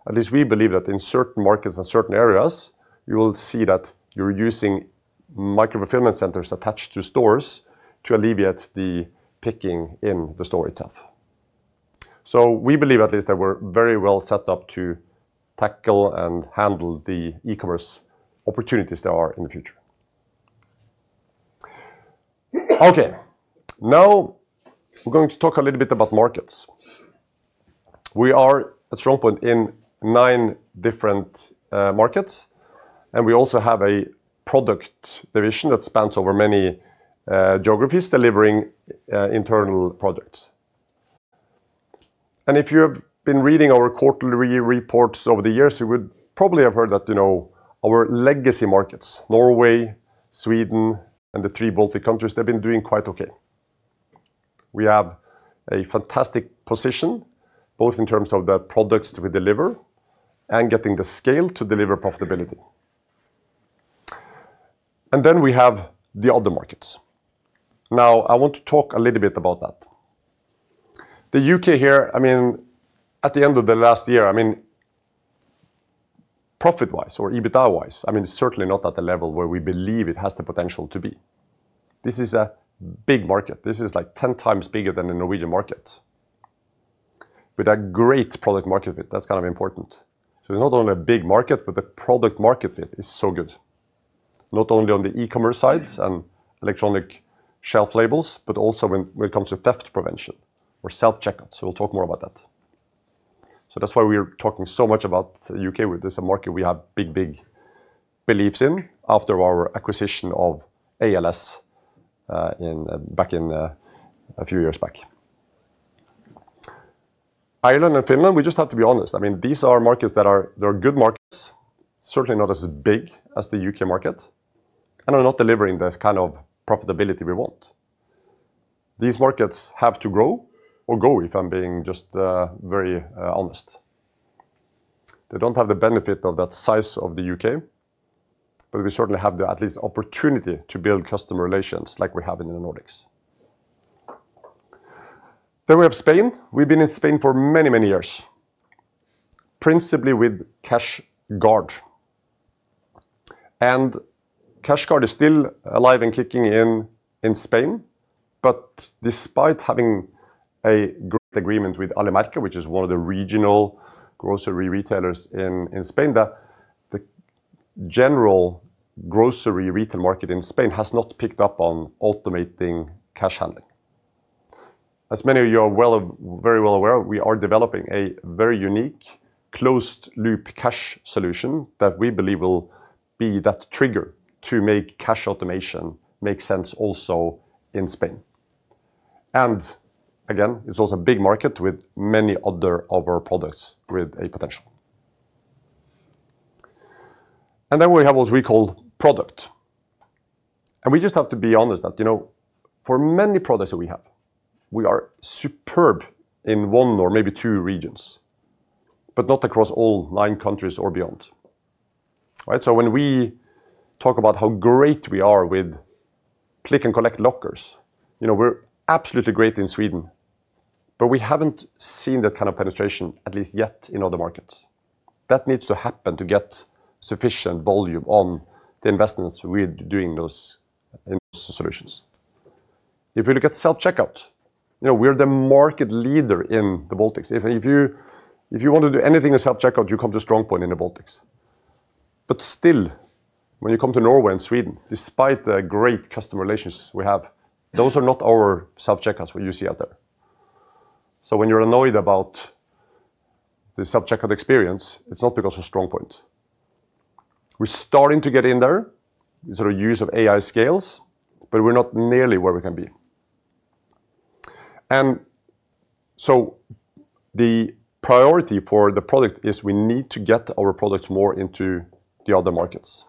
at least we believe that in certain markets and certain areas, you will see that you're using micro-fulfillment centers attached to stores to alleviate the picking in the store itself. We believe, at least, that we're very well set up to tackle and handle the e-commerce opportunities there are in the future. Okay. Now we're going to talk a little bit about markets. We are at StrongPoint in nine different markets, and we also have a product division that spans over many geographies delivering internal projects. If you have been reading our quarterly reports over the years, you would probably have heard that, you know, our legacy markets, Norway, Sweden, and the three Baltic countries, they've been doing quite okay. We have a fantastic position, both in terms of the products we deliver and getting the scale to deliver profitability. Then we have the other markets. Now, I want to talk a little bit about that. The U.K. here, I mean, at the end of the last year, I mean, profit-wise or EBITDA-wise, I mean, certainly not at the level where we believe it has the potential to be. This is a big market. This is like ten times bigger than the Norwegian market with a great product market fit. That's kind of important. Not only a big market, but the product market fit is so good, not only on the e-commerce sides and electronic shelf labels, but also when it comes to theft prevention or self-checkout. We'll talk more about that. That's why we're talking so much about the U.K. with this market we have big beliefs in after our acquisition of ALS back in a few years back. Ireland and Finland, we just have to be honest. I mean, these are markets that are, they're good markets, certainly not as big as the U.K. market, and are not delivering the kind of profitability we want. These markets have to grow or go if I'm being just very honest. They don't have the benefit of that size of the U.K., but we certainly have at least the opportunity to build customer relations like we have in the Nordics. We have Spain. We've been in Spain for many, many years, principally with CashGuard. CashGuard is still alive and kicking in Spain, but despite having a great agreement with Alimerka, which is one of the regional grocery retailers in Spain, the general grocery retail market in Spain has not picked up on automating cash handling. As many of you are very well aware, we are developing a very unique closed Loop Cash Solution that we believe will be that trigger to make cash automation make sense also in Spain. It's also a big market with many other of our products with a potential. We have what we call product. We just have to be honest that, you know, for many products that we have, we are superb in one or maybe two regions, but not across all nine countries or beyond. Right? So when we talk about how great we are with click and collect lockers, you know, we're absolutely great in Sweden, but we haven't seen that kind of penetration at least yet in other markets. That needs to happen to get sufficient volume on the investments with doing those in those solutions. If you look at self-checkout, you know, we're the market leader in the Baltics. If you want to do anything with self-checkout, you come to StrongPoint in the Baltics. But still, when you come to Norway and Sweden, despite the great customer relations we have, those are not our self-checkouts what you see out there. When you're annoyed about the self-checkout experience, it's not because of StrongPoint. We're starting to get in there with our use of AI scales, but we're not nearly where we can be. The priority for the product is we need to get our products more into the other markets.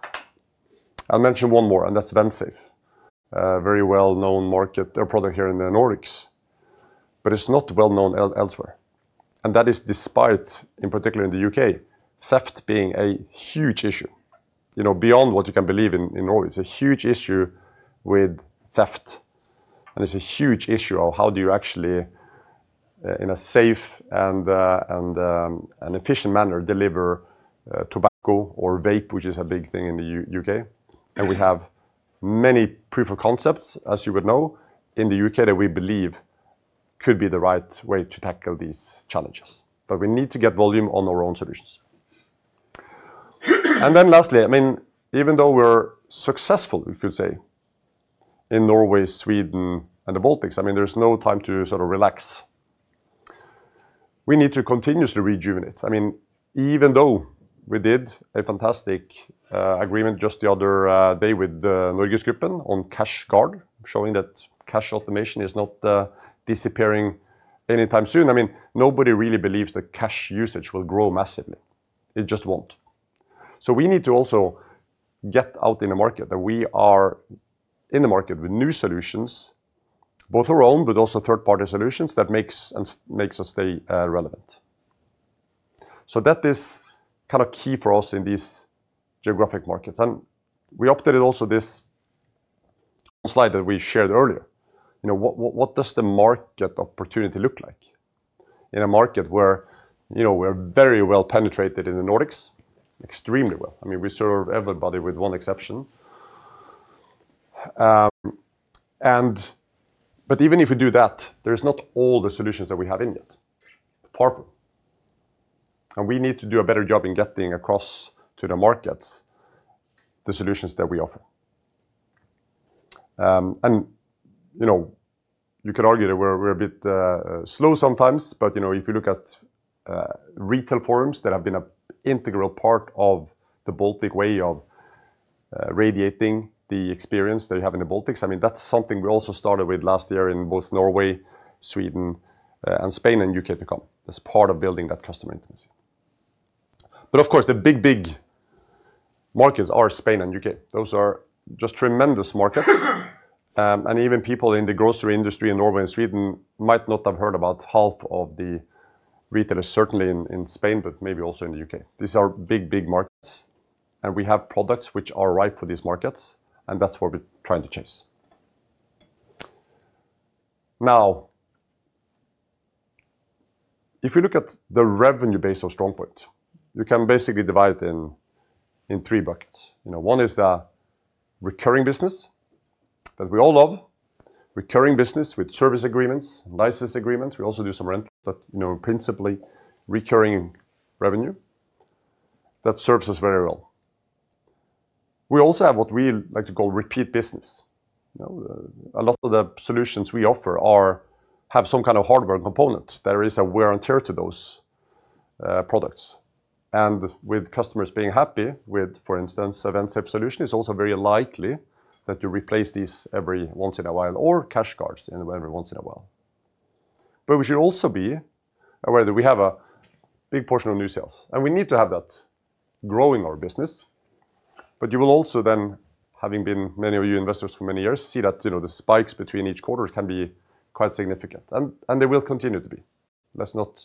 I'll mention one more, and that's Vensafe. A very well-known market or product here in the Nordics, but it's not well-known elsewhere. That is despite, in particular in the U.K., theft being a huge issue, you know, beyond what you can believe in Norway. It's a huge issue with theft, and it's a huge issue of how do you actually in a safe and an efficient manner deliver tobacco or vape, which is a big thing in the U.K.. We have many proof of concepts, as you would know, in the U.K. that we believe could be the right way to tackle these challenges. We need to get volume on our own solutions. Lastly, I mean, even though we're successful, we could say, in Norway, Sweden, and the Baltics, I mean, there's no time to sort of relax. We need to continuously rejuvenate. I mean, even though we did a fantastic agreement just the other day with the NorgesGruppen on CashGuard, showing that cash automation is not disappearing anytime soon. I mean, nobody really believes that cash usage will grow massively. It just won't. We need to also get out in the market, that we are in the market with new solutions, both our own, but also third-party solutions that makes us stay relevant. That is kind of key for us in these geographic markets. We updated also this slide that we shared earlier. You know, what does the market opportunity look like in a market where, you know, we're very well penetrated in the Nordics, extremely well. I mean, we serve everybody with one exception. But even if we do that, there's not all the solutions that we have in yet. Far from. We need to do a better job in getting across to the markets the solutions that we offer. You know, you could argue that we're a bit slow sometimes, but you know, if you look at retail formats that have been an integral part of the Baltic way of replicating the experience that you have in the Baltics, I mean, that's something we also started with last year in both Norway, Sweden, and Spain and U.K. to come as part of building that customer intimacy. Of course, the big, big markets are Spain and U.K. Those are just tremendous markets. Even people in the grocery industry in Norway and Sweden might not have heard about half of the retailers, certainly in Spain, but maybe also in the U.K. These are big, big markets, and we have products which are right for these markets, and that's what we're trying to chase. Now, if you look at the revenue base of StrongPoint, you can basically divide it in three buckets. You know, one is the recurring business that we all love, recurring business with service agreements, license agreements. We also do some rentals that, you know, are principally recurring revenue that serves us very well. We also have what we like to call repeat business. You know, a lot of the solutions we offer have some kind of hardware component. There is a wear and tear to those products. With customers being happy with, for instance, Vensafe solution, it's also very likely that you replace these every once in a while, or CashGuard every once in a while. We should also be aware that we have a big portion of new sales, and we need to have that growing our business. You will also then, having been many of you investors for many years, see that, you know, the spikes between each quarter can be quite significant. They will continue to be. Let's not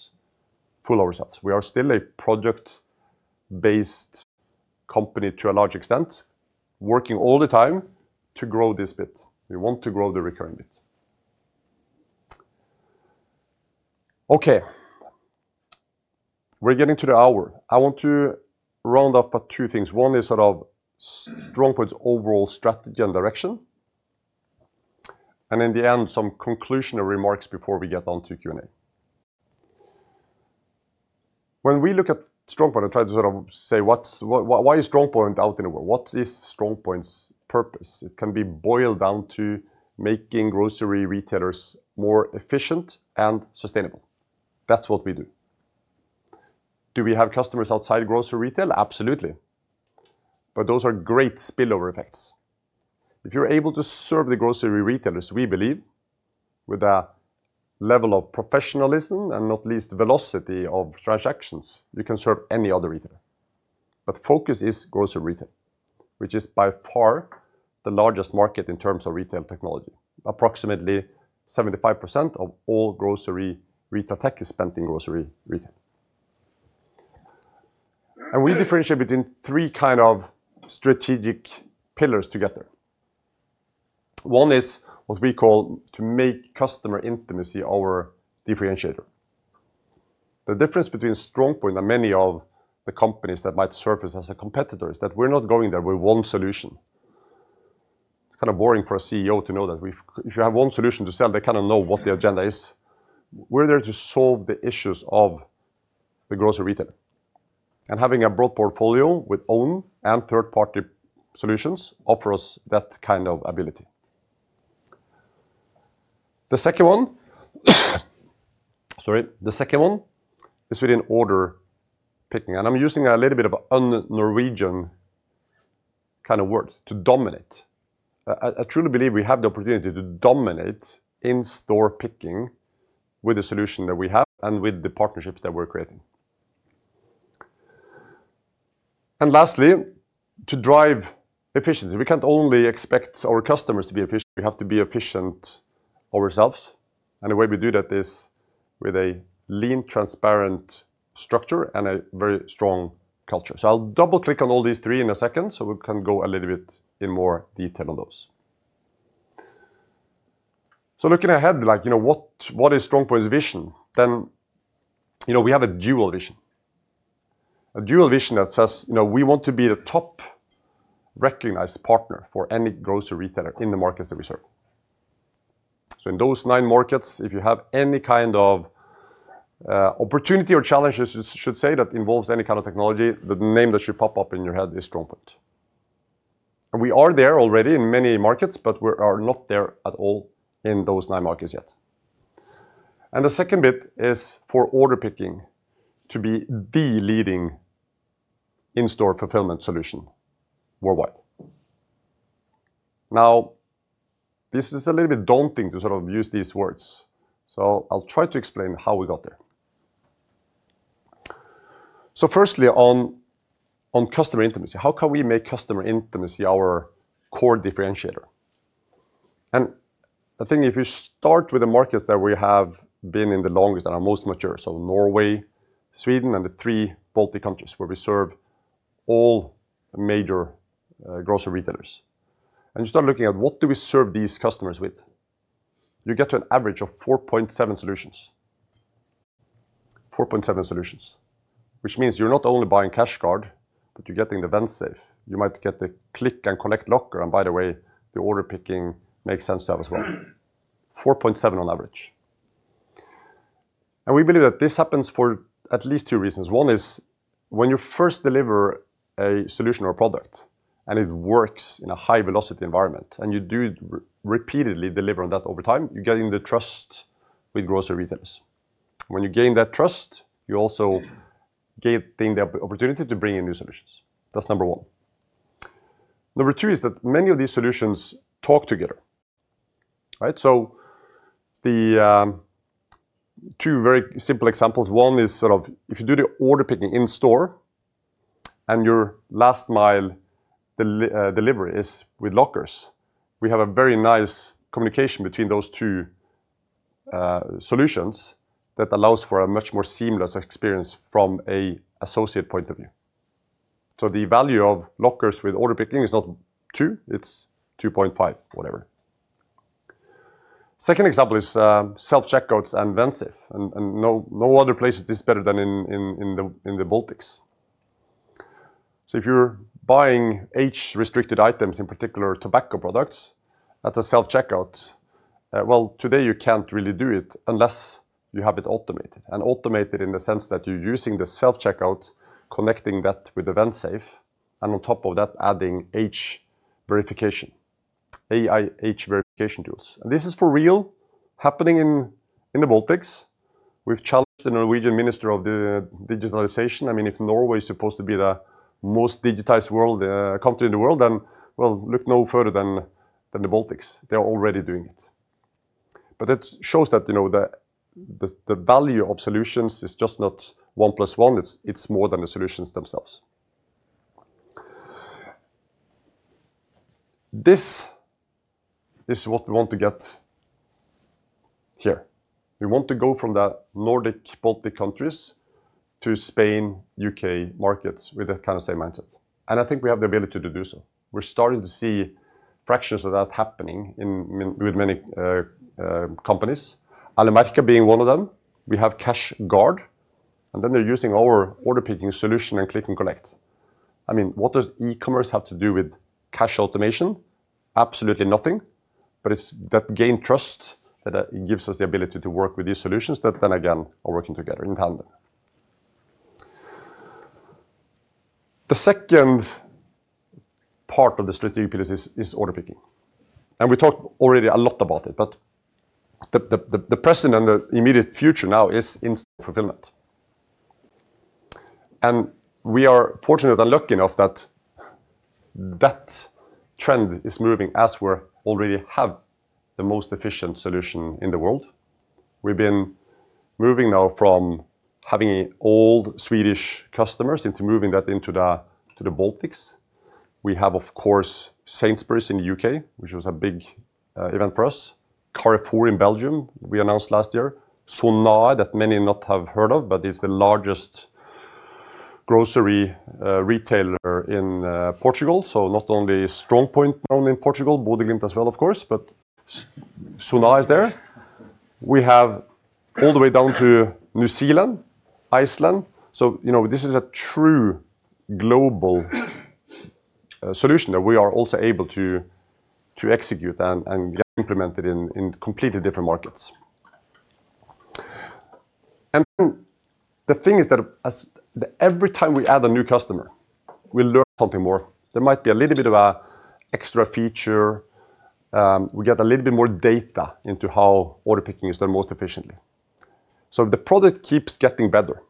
fool ourselves. We are still a project-based company to a large extent, working all the time to grow this bit. We want to grow the recurring bit. Okay, we're getting to the hour. I want to round up but two things. One is sort of StrongPoint's overall strategy and direction, and in the end, some conclusionary remarks before we get on to Q&A. When we look at StrongPoint, I try to sort of say, why is StrongPoint out in the world? What is StrongPoint's purpose? It can be boiled down to making grocery retailers more efficient and sustainable. That's what we do. Do we have customers outside grocery retail? Absolutely. Those are great spillover effects. If you're able to serve the grocery retailers, we believe, with a level of professionalism and not least velocity of transactions, you can serve any other retailer. Focus is grocery retail, which is by far the largest market in terms of retail technology. Approximately 75% of all grocery retail tech is spent in grocery retail. We differentiate between three kind of strategic pillars to get there. One is what we call to make customer intimacy our differentiator. The difference between StrongPoint and many of the companies that might surface as a competitor is that we're not going there with one solution. It's kind of boring for a CEO to know that if you have one solution to sell, they kind of know what the agenda is. We're there to solve the issues of the grocery retailer. Having a broad portfolio with own and third-party solutions offer us that kind of ability. The second one is within order picking, and I'm using a little bit of a un-Norwegian kind of word, to dominate. I truly believe we have the opportunity to dominate in-store picking with the solution that we have and with the partnerships that we're creating. Lastly, to drive efficiency. We can't only expect our customers to be efficient. We have to be efficient ourselves. The way we do that is with a lean, transparent structure and a very strong culture. I'll double-click on all these three in a second, so we can go a little bit in more detail on those. Looking ahead like, you know what is StrongPoint's vision, then, you know, we have a dual vision. A dual vision that says, you know, we want to be the top recognized partner for any grocery retailer in the markets that we serve. In those nine markets, if you have any kind of opportunity or challenges, should say, that involves any kind of technology, the name that should pop up in your head is StrongPoint. We are there already in many markets, but we are not there at all in those nine markets yet. The second bit is for Order Picking to be the leading in-store fulfillment solution worldwide. Now, this is a little bit daunting to sort of use these words, so I'll try to explain how we got there. Firstly, on customer intimacy, how can we make customer intimacy our core differentiator? I think if you start with the markets that we have been in the longest and are most mature, so Norway, Sweden and the three Baltic countries where we serve all major grocery retailers. You start looking at what do we serve these customers with. You get to an average of 4.7 solutions. 4.7 solutions, which means you're not only buying CashGuard, but you're getting the Vensafe. You might get the Click and Collect locker. By the way, the order picking makes sense to have as well, 4.7 on average. We believe that this happens for at least two reasons. One is when you first deliver a solution or a product and it works in a high velocity environment, and you do repeatedly deliver on that over time, you're getting the trust with grocery retailers. When you gain that trust, you also gave them the opportunity to bring in new solutions. That's number one. Number two is that many of these solutions talk together. Right? The two very simple examples. One is sort of if you do the order picking in store and your last mile delivery is with lockers. We have a very nice communication between those two solutions that allows for a much more seamless experience from an associate point of view. The value of lockers with order picking is not two, it's 2.5 whatever. Second example is self-checkouts and Vensafe and no other place is this better than in the Baltics. If you're buying age-restricted items, in particular tobacco products at a self-checkout, well, today you can't really do it unless you have it automated in the sense that you're using the self-checkout, connecting that with the Vensafe, and on top of that, adding age verification, AI age verification tools. This is for real happening in the Baltics. We've challenged the Norwegian Minister of the Digitalization. I mean, if Norway is supposed to be the most digitized world, country in the world, then well, look no further than the Baltics. They are already doing it. It shows that, you know, the value of solutions is just not 1+1. It's more than the solutions themselves. This is what we want to get here. We want to go from the Nordic Baltic countries to Spain, U.K. markets with that kind of same mindset, and I think we have the ability to do so. We're starting to see fractions of that happening in with many companies, Alimerka being one of them. We have CashGuard, and then they're using our order picking solution and Click and Collect. I mean, what does e-commerce have to do with cash automation? Absolutely nothing. But it's that gain trust that gives us the ability to work with these solutions that then again, are working together in tandem. The second part of the strategic pillars is order picking. We talked already a lot about it, but the present and the immediate future now is in store fulfillment. We are fortunate and lucky enough that that trend is moving as we're already have the most efficient solution in the world. We've been moving now from having old Swedish customers into moving that into the, to the Baltics. We have, of course, Sainsbury's in the U.K., which was a big event for us. Carrefour in Belgium, we announced last year. Sonae that many not have heard of, but it's the largest grocery retailer in Portugal. Not only StrongPoint now in Portugal, Bodø/Glimt as well of course, but Sonae is there. We have all the way down to New Zealand, Iceland. You know, this is a true global solution that we are also able to execute and get implemented in completely different markets. The thing is that as every time we add a new customer, we learn something more. There might be a little bit of an extra feature. We get a little bit more data into how order picking is done most efficiently. The product keeps getting better.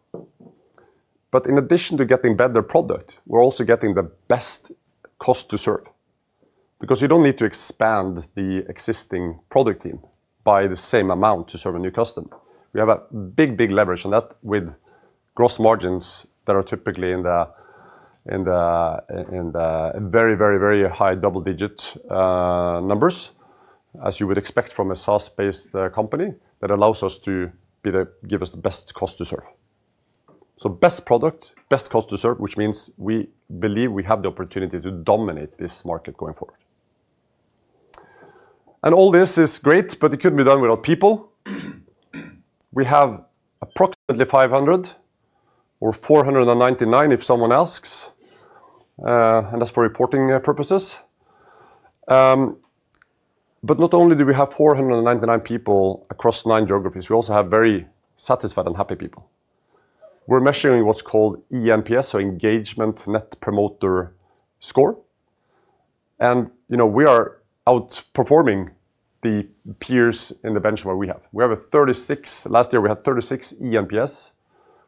In addition to getting better product, we're also getting the best cost to serve because you don't need to expand the existing product team by the same amount to serve a new customer. We have big leverage on that with gross margins that are typically in the very high double-digit numbers, as you would expect from a SaaS-based company. That allows us the best cost to serve. Best product, best cost to serve, which means we believe we have the opportunity to dominate this market going forward. All this is great, but it couldn't be done without people. We have approximately 500 or 499 if someone asks, and that's for reporting purposes. But not only do we have 499 people across nine geographies, we also have very satisfied and happy people. We're measuring what's called eNPS, so Engagement Net Promoter Score. You know, we are outperforming the peers in the benchmark we have. We have a 36. Last year, we had 36 eNPS,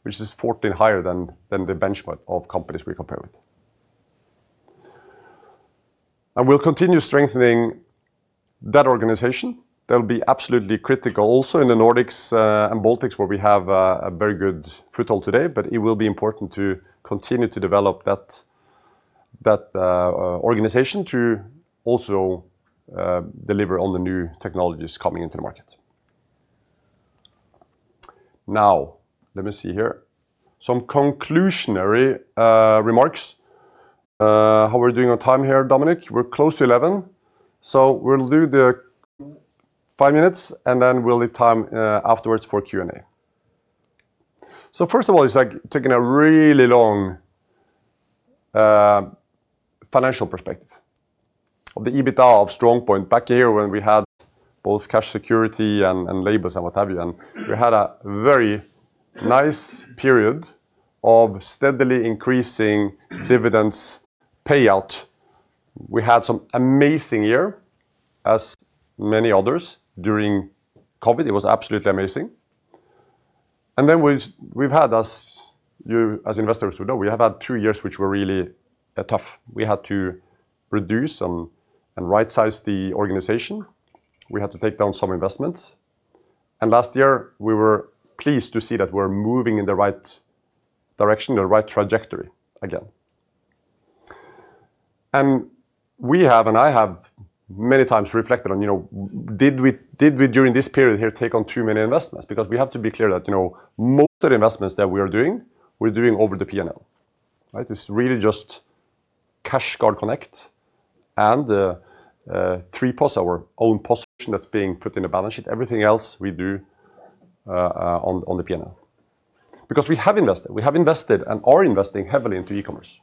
which is 14 higher than the benchmark of companies we compare with. We'll continue strengthening that organization. That'll be absolutely critical also in the Nordics and Baltics, where we have a very good foothold today, but it will be important to continue to develop that organization to also deliver on the new technologies coming into the market. Now, let me see here. Some concluding remarks. How are we doing on time here, Dominic? We're close to 11, so we'll do the finance, and then we'll leave time afterwards for Q&A. First of all, it's like taking a really long financial perspective of the EBITDA of StrongPoint back here when we had both cash security and labels and what have you. We had a very nice period of steadily increasing dividends payout. We had some amazing year, as many others during COVID. It was absolutely amazing. Then we've had, as you investors would know, we have had two years which were really tough. We had to reduce and right-size the organization. We had to take down some investments. Last year, we were pleased to see that we're moving in the right direction, the right trajectory again. I have many times reflected on, you know, did we during this period here take on too many investments? Because we have to be clear that, you know, most of the investments that we are doing, we're doing over the P&L, right? It's really just CashGuard Connect and TreeCommerce, our own POS solution that's being put in the balance sheet. Everything else we do on the P&L. Because we have invested and are investing heavily into e-commerce.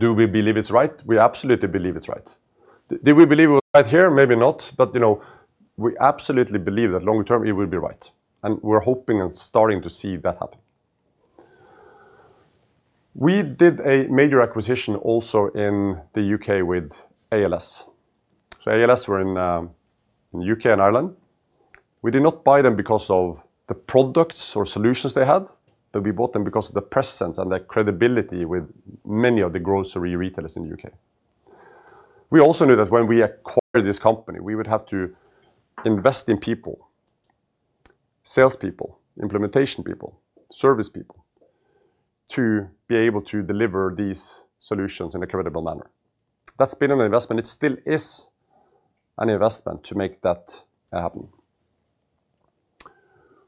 Do we believe it's right? We absolutely believe it's right. Do we believe it was right here? Maybe not, but, you know, we absolutely believe that long-term it will be right, and we're hoping and starting to see that happen. We did a major acquisition also in the U.K. with ALS. ALS was in the U.K. and Ireland. We did not buy them because of the products or solutions they had, but we bought them because of the presence and the credibility with many of the grocery retailers in the U.K. We also knew that when we acquired this company, we would have to invest in people, salespeople, implementation people, service people, to be able to deliver these solutions in a credible manner. That's been an investment. It still is an investment to make that happen.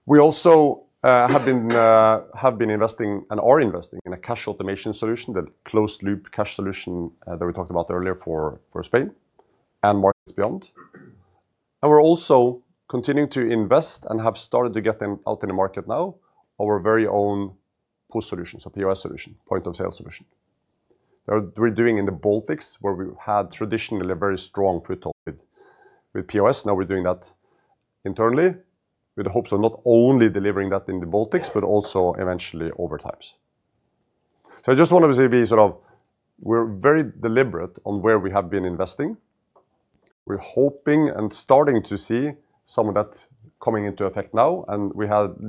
We also have been investing and are investing in a cash automation solution, that closed-Loop Cash Solution, that we talked about earlier for Spain and markets beyond. We're also continuing to invest and have started to get them out in the market now, our very own POS solution, so POS solution, point-of-sale solution. We're doing in the Baltics, where we've had traditionally a very strong foothold with POS. Now we're doing that internally with the hopes of not only delivering that in the Baltics but also eventually over time. I just wanted to be sort of, we're very deliberate on where we have been investing. We're hoping and starting to see some of that coming into effect now, and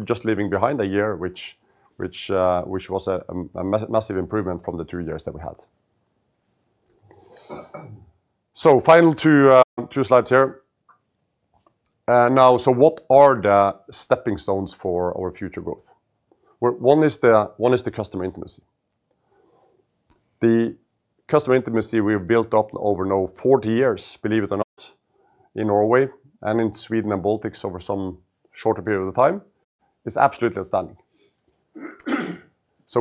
just leaving behind a year which was a massive improvement from the two years that we had. Final two slides here. Now what are the stepping stones for our future growth? One is the customer intimacy. The customer intimacy we've built up over now 40 years, believe it or not, in Norway and in Sweden and Baltics over some shorter period of time, is absolutely outstanding.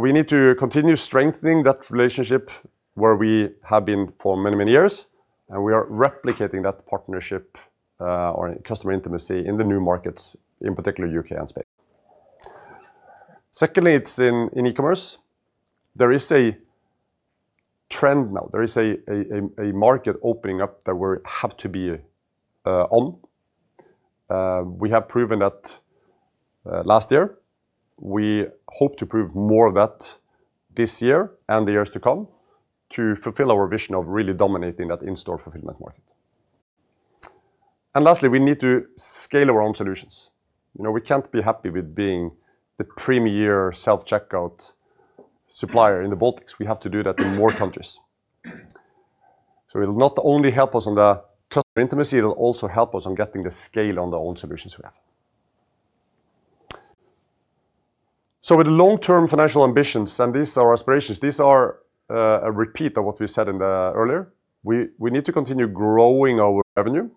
We need to continue strengthening that relationship where we have been for many, many years, and we are replicating that partnership or customer intimacy in the new markets, in particular U.K. and Spain. Secondly, it's in e-commerce. There is a trend now. There is a market opening up that we have to be on. We have proven that last year. We hope to prove more of that this year and the years to come to fulfill our vision of really dominating that in-store fulfillment market. Lastly, we need to scale our own solutions. You know, we can't be happy with being the premier self-checkout supplier in the Baltics. We have to do that in more countries. It'll not only help us on the customer intimacy, it'll also help us on getting the scale on the own solutions we have. With long-term financial ambitions, and these are aspirations, these are a repeat of what we said in the earlier. We need to continue growing our revenue.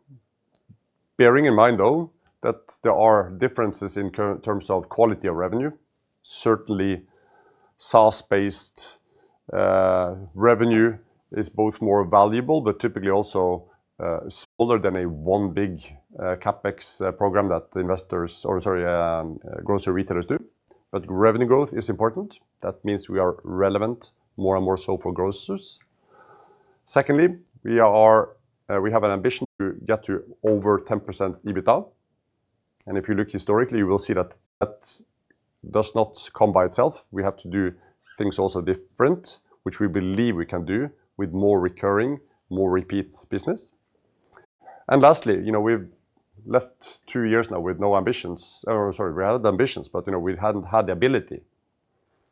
Bearing in mind, though, that there are differences in terms of quality of revenue. Certainly, SaaS-based revenue is both more valuable but typically also smaller than one big CapEx program that grocery retailers do. Revenue growth is important. That means we are relevant, more and more so for grocers. Secondly, we have an ambition to get to over 10% EBITDA. If you look historically, you will see that that does not come by itself. We have to do things also different, which we believe we can do with more recurring, more repeat business. Lastly, you know, we've had two years now. We had ambitions, but, you know, we hadn't had the ability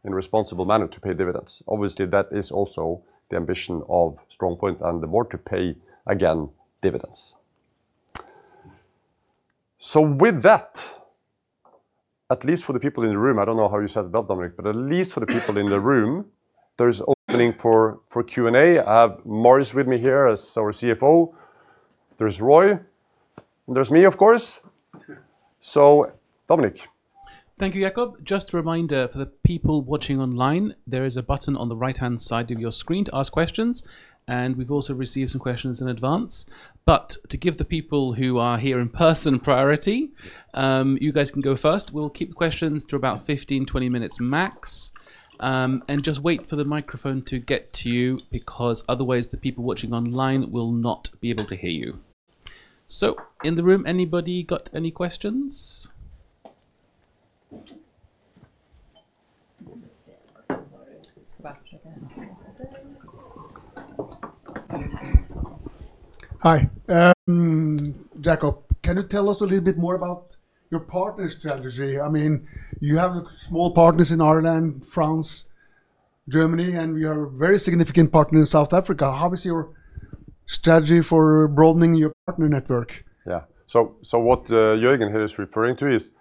in a responsible manner to pay dividends. Obviously, that is also the ambition of StrongPoint and the board to pay, again, dividends. With that, at least for the people in the room, I don't know how you set it up, Dominic, but at least for the people in the room, there's opening for Q&A. I have Marius with me here as our CFO. There's Roy, and there's me, of course. Dominic. Thank you, Jacob. Just a reminder for the people watching online, there is a button on the right-hand side of your screen to ask questions, and we've also received some questions in advance. To give the people who are here in person priority, you guys can go first. We'll keep the questions to about 15, 20 minutes max. Just wait for the microphone to get to you because otherwise the people watching online will not be able to hear you. In the room, anybody got any questions? Hi. Jacob, can you tell us a little bit more about your partner strategy? I mean, you have small partners in Ireland, France, Germany, and you are a very significant partner in South Africa. How is your strategy for broadening your partner network? What Jörgen here is referring to is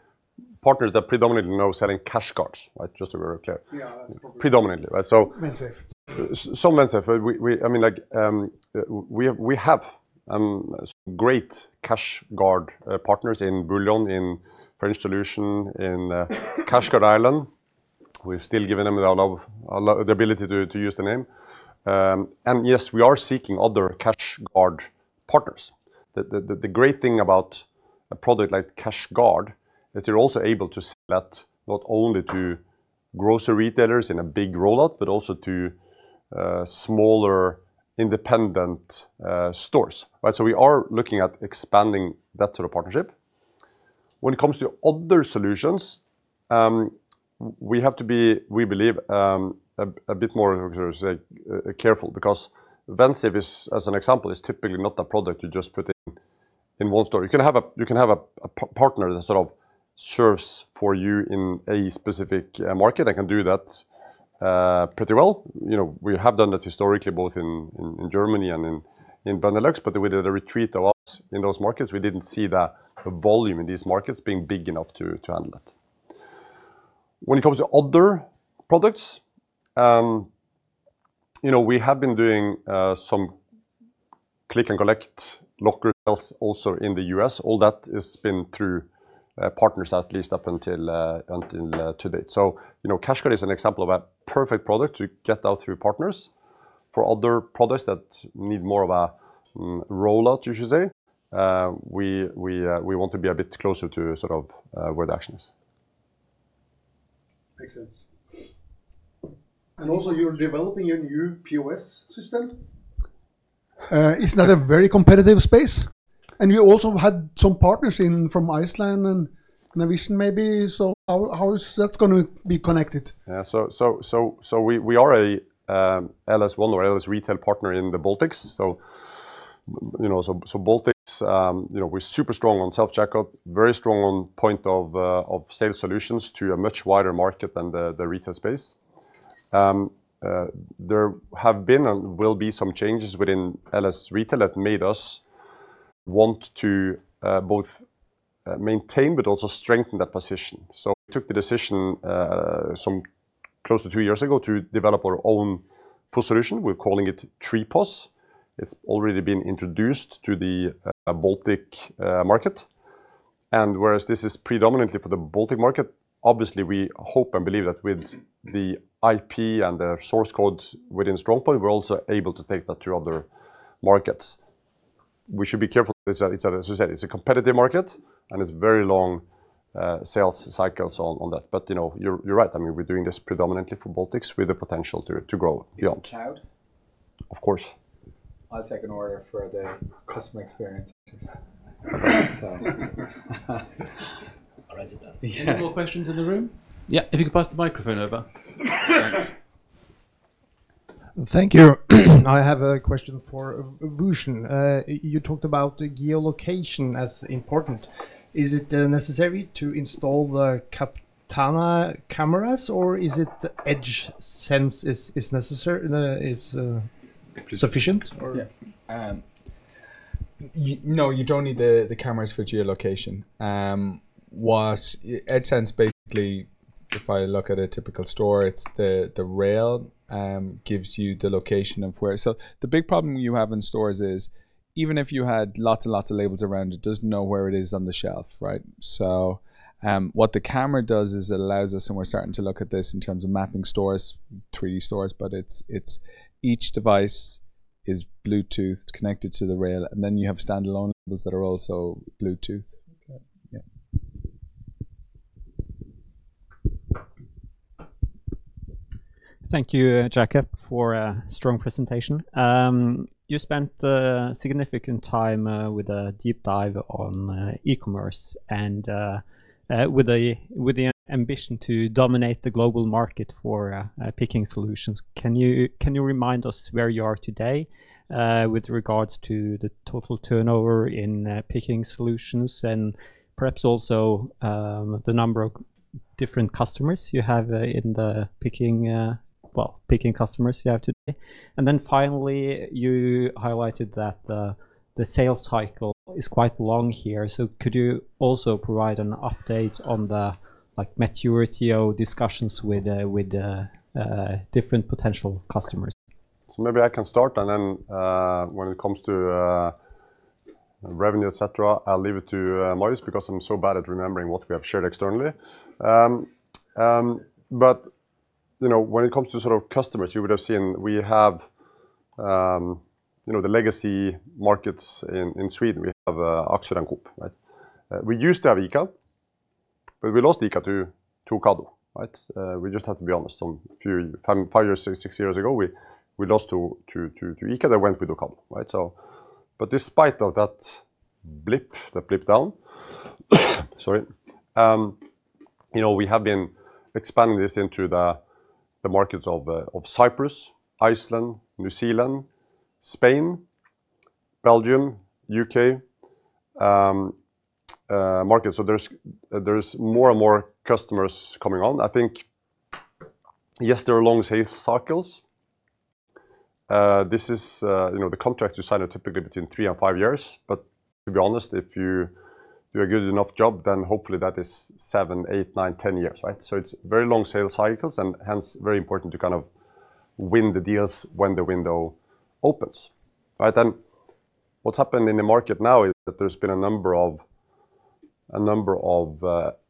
partners that predominantly now selling CashGuard, right? Just to be very clear. Yeah, that's probably. Predominantly, right? Vensafe. Some Vensafe. I mean, like, we have some great CashGuard partners in Bullion IT, in French Solution, in CashGuard Ireland. We've still given them a lot of the ability to use the name. Yes, we are seeking other CashGuard partners. The great thing about a product like CashGuard is you're also able to sell that not only to grocery retailers in a big rollout, but also to smaller independent stores, right? We are looking at expanding that sort of partnership. When it comes to other solutions, we have to be, we believe, a bit more, how should I say, careful because Vensafe, as an example, is typically not a product you just put in one store. You can have a partner that sort of serves for you in a specific market and can do that pretty well. You know, we have done that historically both in Germany and in Benelux. With the retreat of us in those markets, we didn't see the volume in these markets being big enough to handle that. When it comes to other products, you know, we have been doing some click and collect locker sales also in the U.S. All that has been through partners at least up until to date. You know, CashGuard is an example of a perfect product to get out through partners. For other products that need more of a rollout, you should say, we want to be a bit closer to sort of where the action is. Makes sense. Also you're developing your new POS system. Isn't that a very competitive space? You also had some partners in from Iceland and Vusion maybe. How is that gonna be connected? We are a LS One or LS Retail partner in the Baltics. You know, Baltics, you know, we're super strong on self-checkout, very strong on point of sale solutions to a much wider market than the retail space. There have been and will be some changes within LS Retail that made us want to both maintain but also strengthen that position. We took the decision some close to two years ago to develop our own POS solution. We're calling it TreeCommerce. It's already been introduced to the Baltic market. Whereas this is predominantly for the Baltic market, obviously, we hope and believe that with the IP and the source code within StrongPoint, we're also able to take that to other markets. We should be careful because it's a as you said, it's a competitive market, and it's very long sales cycles on that. You know, you're right. I mean, we're doing this predominantly for Baltics with the potential to grow beyond. Is it cloud? Of course. I'll take an order for the customer experience. All righty then. Any more questions in the room? Yeah, if you could pass the microphone over. Thanks. Thank you. I have a question for Vusion. You talked about the geolocation as important. Is it necessary to install the Captana cameras, or is the EdgeSense sufficient? Yeah. No, you don't need the cameras for geolocation. What EdgeSense basically If I look at a typical store, it's the rail gives you the location of where. The big problem you have in stores is even if you had lots and lots of labels around, it doesn't know where it is on the shelf, right? What the camera does is it allows us, and we're starting to look at this in terms of mapping stores, three stores, but it's each device is Bluetooth connected to the rail, and then you have standalone labels that are also Bluetooth. Okay. Yeah. Thank you, Jacob, for a strong presentation. You spent a significant time with a deep dive on e-commerce and with the ambition to dominate the global market for picking solutions. Can you remind us where you are today with regards to the total turnover in picking solutions and perhaps also the number of different customers you have in the picking, well, picking customers you have today? Then finally, you highlighted that the sales cycle is quite long here. Could you also provide an update on the, like, maturity or discussions with different potential customers? Maybe I can start, and then, when it comes to revenue, et cetera, I'll leave it to Maurice, because I'm so bad at remembering what we have shared externally. You know, when it comes to sort of customers, you would have seen we have, you know, the legacy markets in Sweden. We have Axfood and Coop, right? We used to have ICA, but we lost ICA. They went with Ocado, right? Despite that blip down, sorry, you know, we have been expanding this into the markets of Cyprus, Iceland, New Zealand, Spain, Belgium, U.K., markets. There's more and more customers coming on. I think, yes, there are long sales cycles. This is, you know, the contract you sign are typically between three and five years. To be honest, if you do a good enough job, then hopefully that is seven, eight, nine, ten years, right? It's very long sales cycles and hence very important to kind of win the deals when the window opens, right? What's happened in the market now is that there's been a number of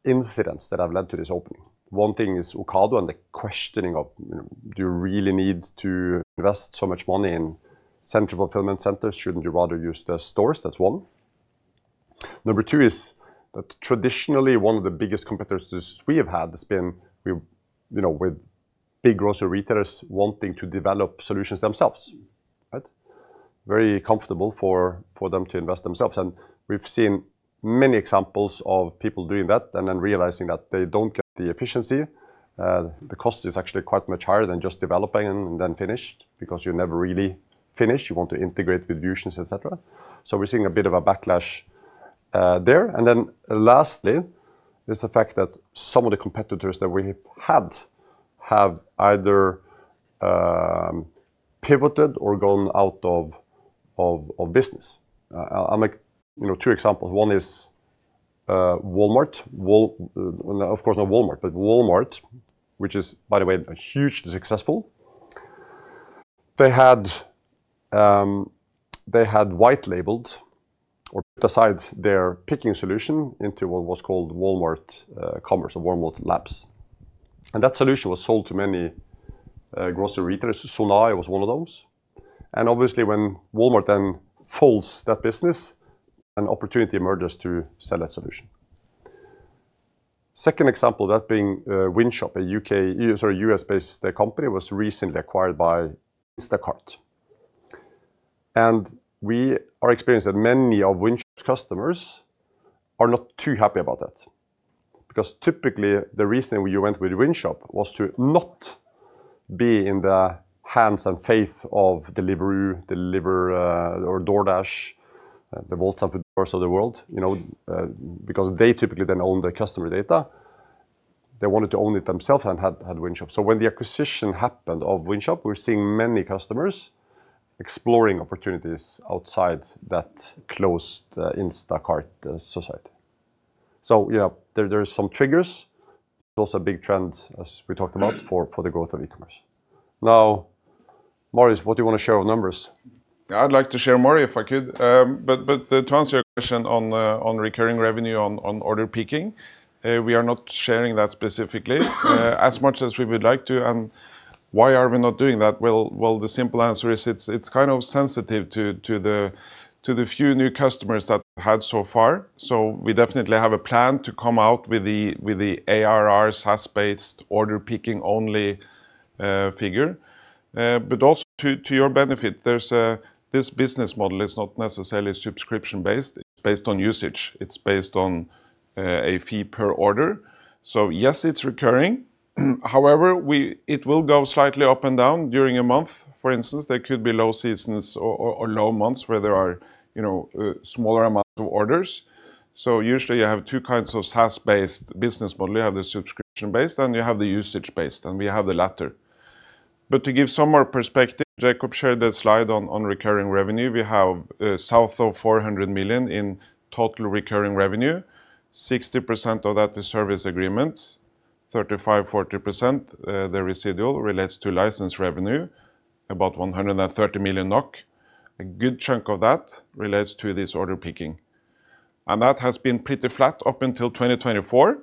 incidents that have led to this opening. One thing is Ocado and the questioning of, you know, do you really need to invest so much money in central fulfillment centers? Shouldn't you rather use the stores? That's one. Number two is that traditionally one of the biggest competitors we have had has been, you know, with big grocery retailers wanting to develop solutions themselves, right? Very comfortable for them to invest themselves. We've seen many examples of people doing that and then realizing that they don't get the efficiency. The cost is actually quite much higher than just developing and then finish because you never really finish. You want to integrate with solutions, et cetera. We're seeing a bit of a backlash there. Lastly is the fact that some of the competitors that we had have either pivoted or gone out of business. I'll make, you know, two examples. One is Walmart. Well, of course not Walmart, but Walmart, which is, by the way, hugely successful. They had white labeled or put aside their picking solution into what was called Walmart Commerce or Walmart Labs. That solution was sold to many grocery retailers. Suni was one of those. Obviously when Walmart then folds that business, an opportunity emerges to sell that solution. Second example of that being Wynshop, a U.K., sorry, U.S.-based company, was recently acquired by Instacart. We have experienced that many of Wynshop's customers are not too happy about that. Because typically the reason you went with Wynshop was to not be in the hands and fate of Deliveroo or DoorDash, the Bolts and the Doors of the world, you know, because they typically then own the customer data. They wanted to own it themselves and had Wynshop. When the acquisition happened of Wynshop, we're seeing many customers exploring opportunities outside that closed Instacart society. There are some triggers. There's also big trends, as we talked about, for the growth of e-commerce. Now, Marius, what do you want to share on numbers? I'd like to share more if I could. But to answer your question on recurring revenue on order picking, we are not sharing that specifically, as much as we would like to. Why are we not doing that? Well, the simple answer is it's kind of sensitive to the few new customers that we've had so far. We definitely have a plan to come out with the ARR SaaS-based order picking only figure. But also to your benefit, there's this business model is not necessarily subscription-based. It's based on usage. It's based on a fee per order. Yes, it's recurring. However, it will go slightly up and down during a month. For instance, there could be low seasons or low months where there are, you know, smaller amounts of orders. Usually you have two kinds of SaaS-based business model. You have the subscription-based, and you have the usage-based, and we have the latter. To give some more perspective, Jacob shared a slide on recurring revenue. We have south of 400 million in total recurring revenue. 60% of that is service agreements, 35%-40% the residual relates to license revenue, about 130 million NOK. A good chunk of that relates to this order picking. That has been pretty flat up until 2024,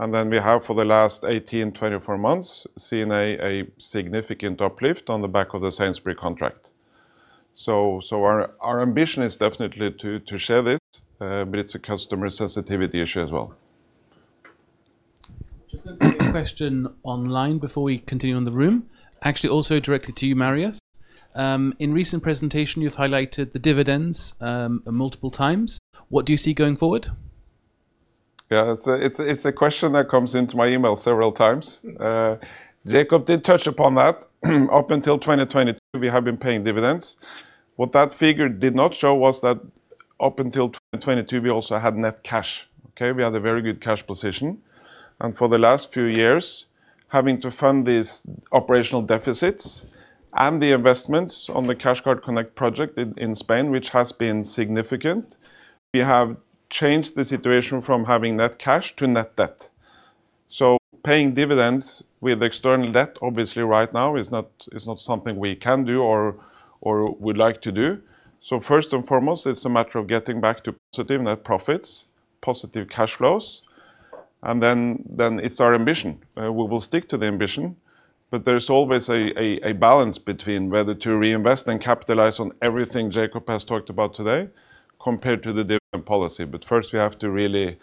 and then we have for the last 18-24 months seen a significant uplift on the back of the Sainsbury's contract. Our ambition is definitely to share this, but it's a customer sensitivity issue as well. Just looking at a question online before we continue in the room. Actually, also directly to you, Marius. In recent presentation, you've highlighted the dividends multiple times. What do you see going forward? Yeah, it's a question that comes into my email several times. Jacob did touch upon that. Up until 2022, we have been paying dividends. What that figure did not show was that up until 2022, we also had net cash, okay? We had a very good cash position. For the last few years, having to fund these operational deficits and the investments on the CashGuard Connect project in Spain, which has been significant, we have changed the situation from having net cash to net debt. Paying dividends with external debt, obviously right now is not something we can do or would like to do. First and foremost, it's a matter of getting back to positive net profits, positive cash flows, and then it's our ambition. We will stick to the ambition, but there's always a balance between whether to reinvest and capitalize on everything Jacob has talked about today compared to the dividend policy. First, we have to really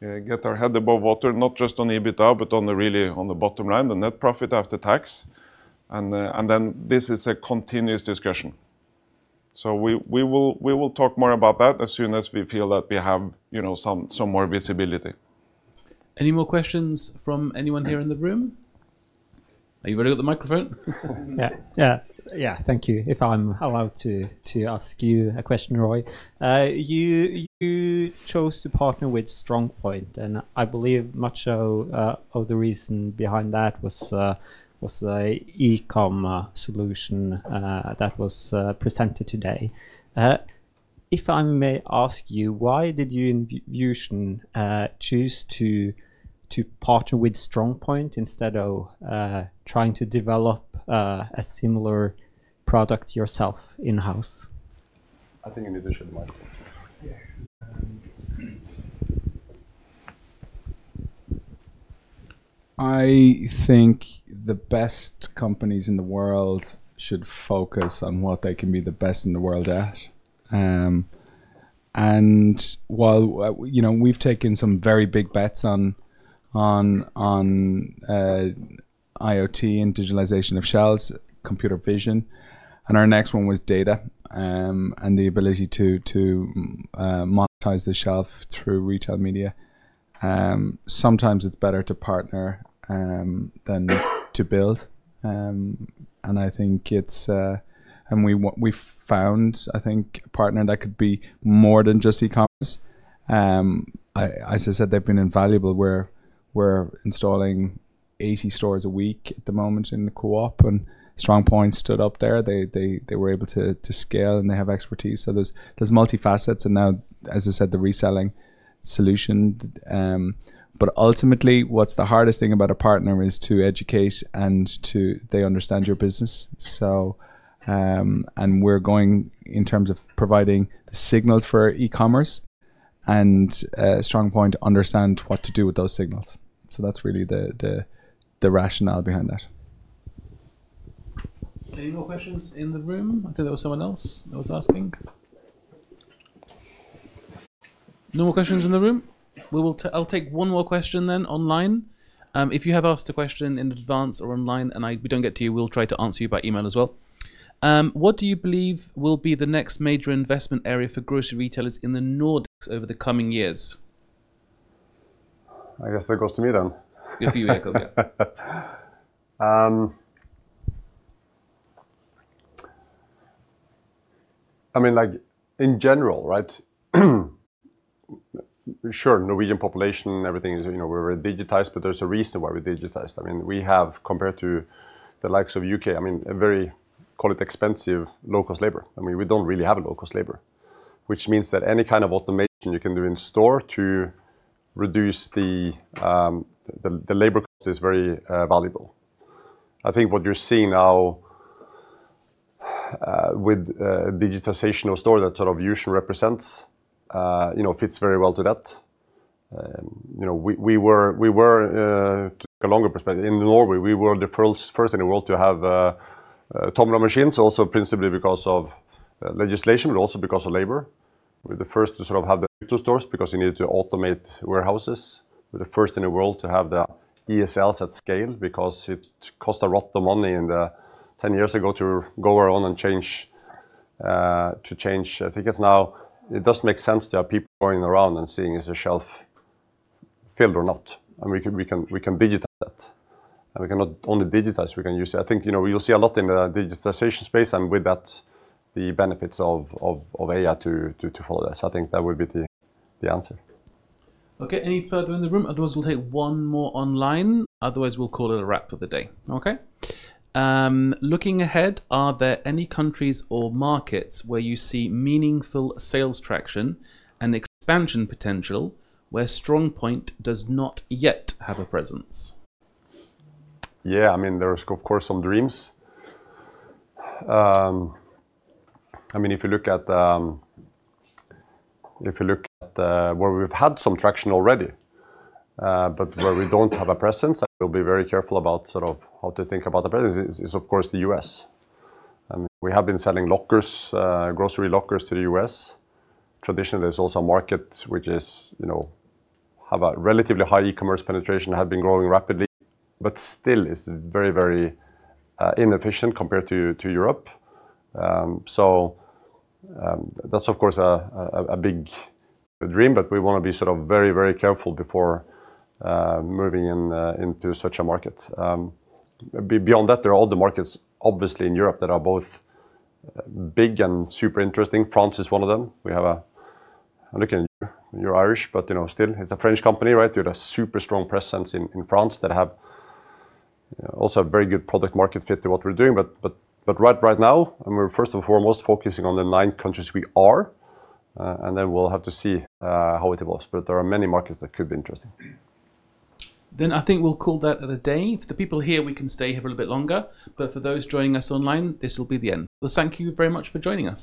get our head above water, not just on EBITDA but on the really, on the bottom line, the net profit after tax. Then this is a continuous discussion. We will talk more about that as soon as we feel that we have, you know, some more visibility. Any more questions from anyone here in the room? Are you ready with the microphone? Thank you. If I'm allowed to ask you a question, Roy. You chose to partner with StrongPoint, and I believe much of the reason behind that was the e-com solution that was presented today. If I may ask you, why did you in Vusion choose to partner with StrongPoint instead of trying to develop a similar product yourself in-house? I think you need the other mic. Yeah. I think the best companies in the world should focus on what they can be the best in the world at. While, you know, we've taken some very big bets on IoT and digitalization of shelves, computer vision, and our next one was data, and the ability to monetize the shelf through retail media. Sometimes it's better to partner than to build. I think we found a partner that could be more than just e-commerce. I, as I said, they've been invaluable. We're installing 80 stores a week at the moment in the Co-op, and StrongPoint stood up there. They were able to scale, and they have expertise. There's multifaceted and now, as I said, the reselling solution. Ultimately, what's the hardest thing about a partner is to educate so they understand your business. We're going in terms of providing the signals for e-commerce, and StrongPoint understands what to do with those signals. That's really the rationale behind that. Any more questions in the room? I think there was someone else that was asking. No more questions in the room? I'll take one more question then online. If you have asked a question in advance or online and we don't get to you, we'll try to answer you by email as well. What do you believe will be the next major investment area for grocery retailers in the Nordics over the coming years? I guess that goes to me then. It's you, Jacob, yeah. I mean, like, in general, right? Sure, Norwegian population and everything is, you know, we're very digitized, but there's a reason why we're digitized. I mean, we have, compared to the likes of U.K., I mean, a very, call it expensive low-cost labor. I mean, we don't really have a low-cost labor, which means that any kind of automation you can do in store to reduce the labor cost is very, valuable. I think what you're seeing now, with, digitalization of store that sort of Vusion represents, you know, fits very well to that. You know, we were, to take a longer perspective, in Norway, we were the first in the world to have, TOMRA machines, also principally because of, legislation, but also because of labor. We're the first to sort of have the Pick to Stores because you needed to automate warehouses. We're the first in the world to have the ESLs at scale because it cost a lot of money 10 years ago to go around and change. I think it's now, it doesn't make sense there are people going around and seeing if a shelf is filled or not, and we can digitize that, and we can not only digitize, we can use it. I think, you know, we'll see a lot in the digitization space and with that, the benefits of AI to follow this. I think that would be the answer. Okay. Any further in the room? Otherwise, we'll take one more online. Otherwise, we'll call it a wrap for the day. Okay? Looking ahead, are there any countries or markets where you see meaningful sales traction and expansion potential where StrongPoint does not yet have a presence? Yeah. I mean, there's of course some dreams. I mean, if you look at where we've had some traction already, but where we don't have a presence, and we'll be very careful about sort of how to think about the presence is of course the U.S.. I mean, we have been selling lockers, grocery lockers to the U.S.. Traditionally, there's also a market which is, you know, have a relatively high e-commerce penetration, have been growing rapidly, but still is very inefficient compared to Europe. That's of course a big dream, but we wanna be sort of very careful before moving in into such a market. Beyond that, there are other markets, obviously in Europe that are both big and super interesting. France is one of them. I'm looking at you. You're Irish, but you know, still, it's a French company, right? They had a super strong presence in France that have also a very good product market fit to what we're doing. But right now, I mean, we're first and foremost focusing on the nine countries we are, and then we'll have to see how it evolves, but there are many markets that could be interesting. I think we'll call that a day. For the people here, we can stay here for a little bit longer, but for those joining us online, this will be the end. Well, thank you very much for joining us.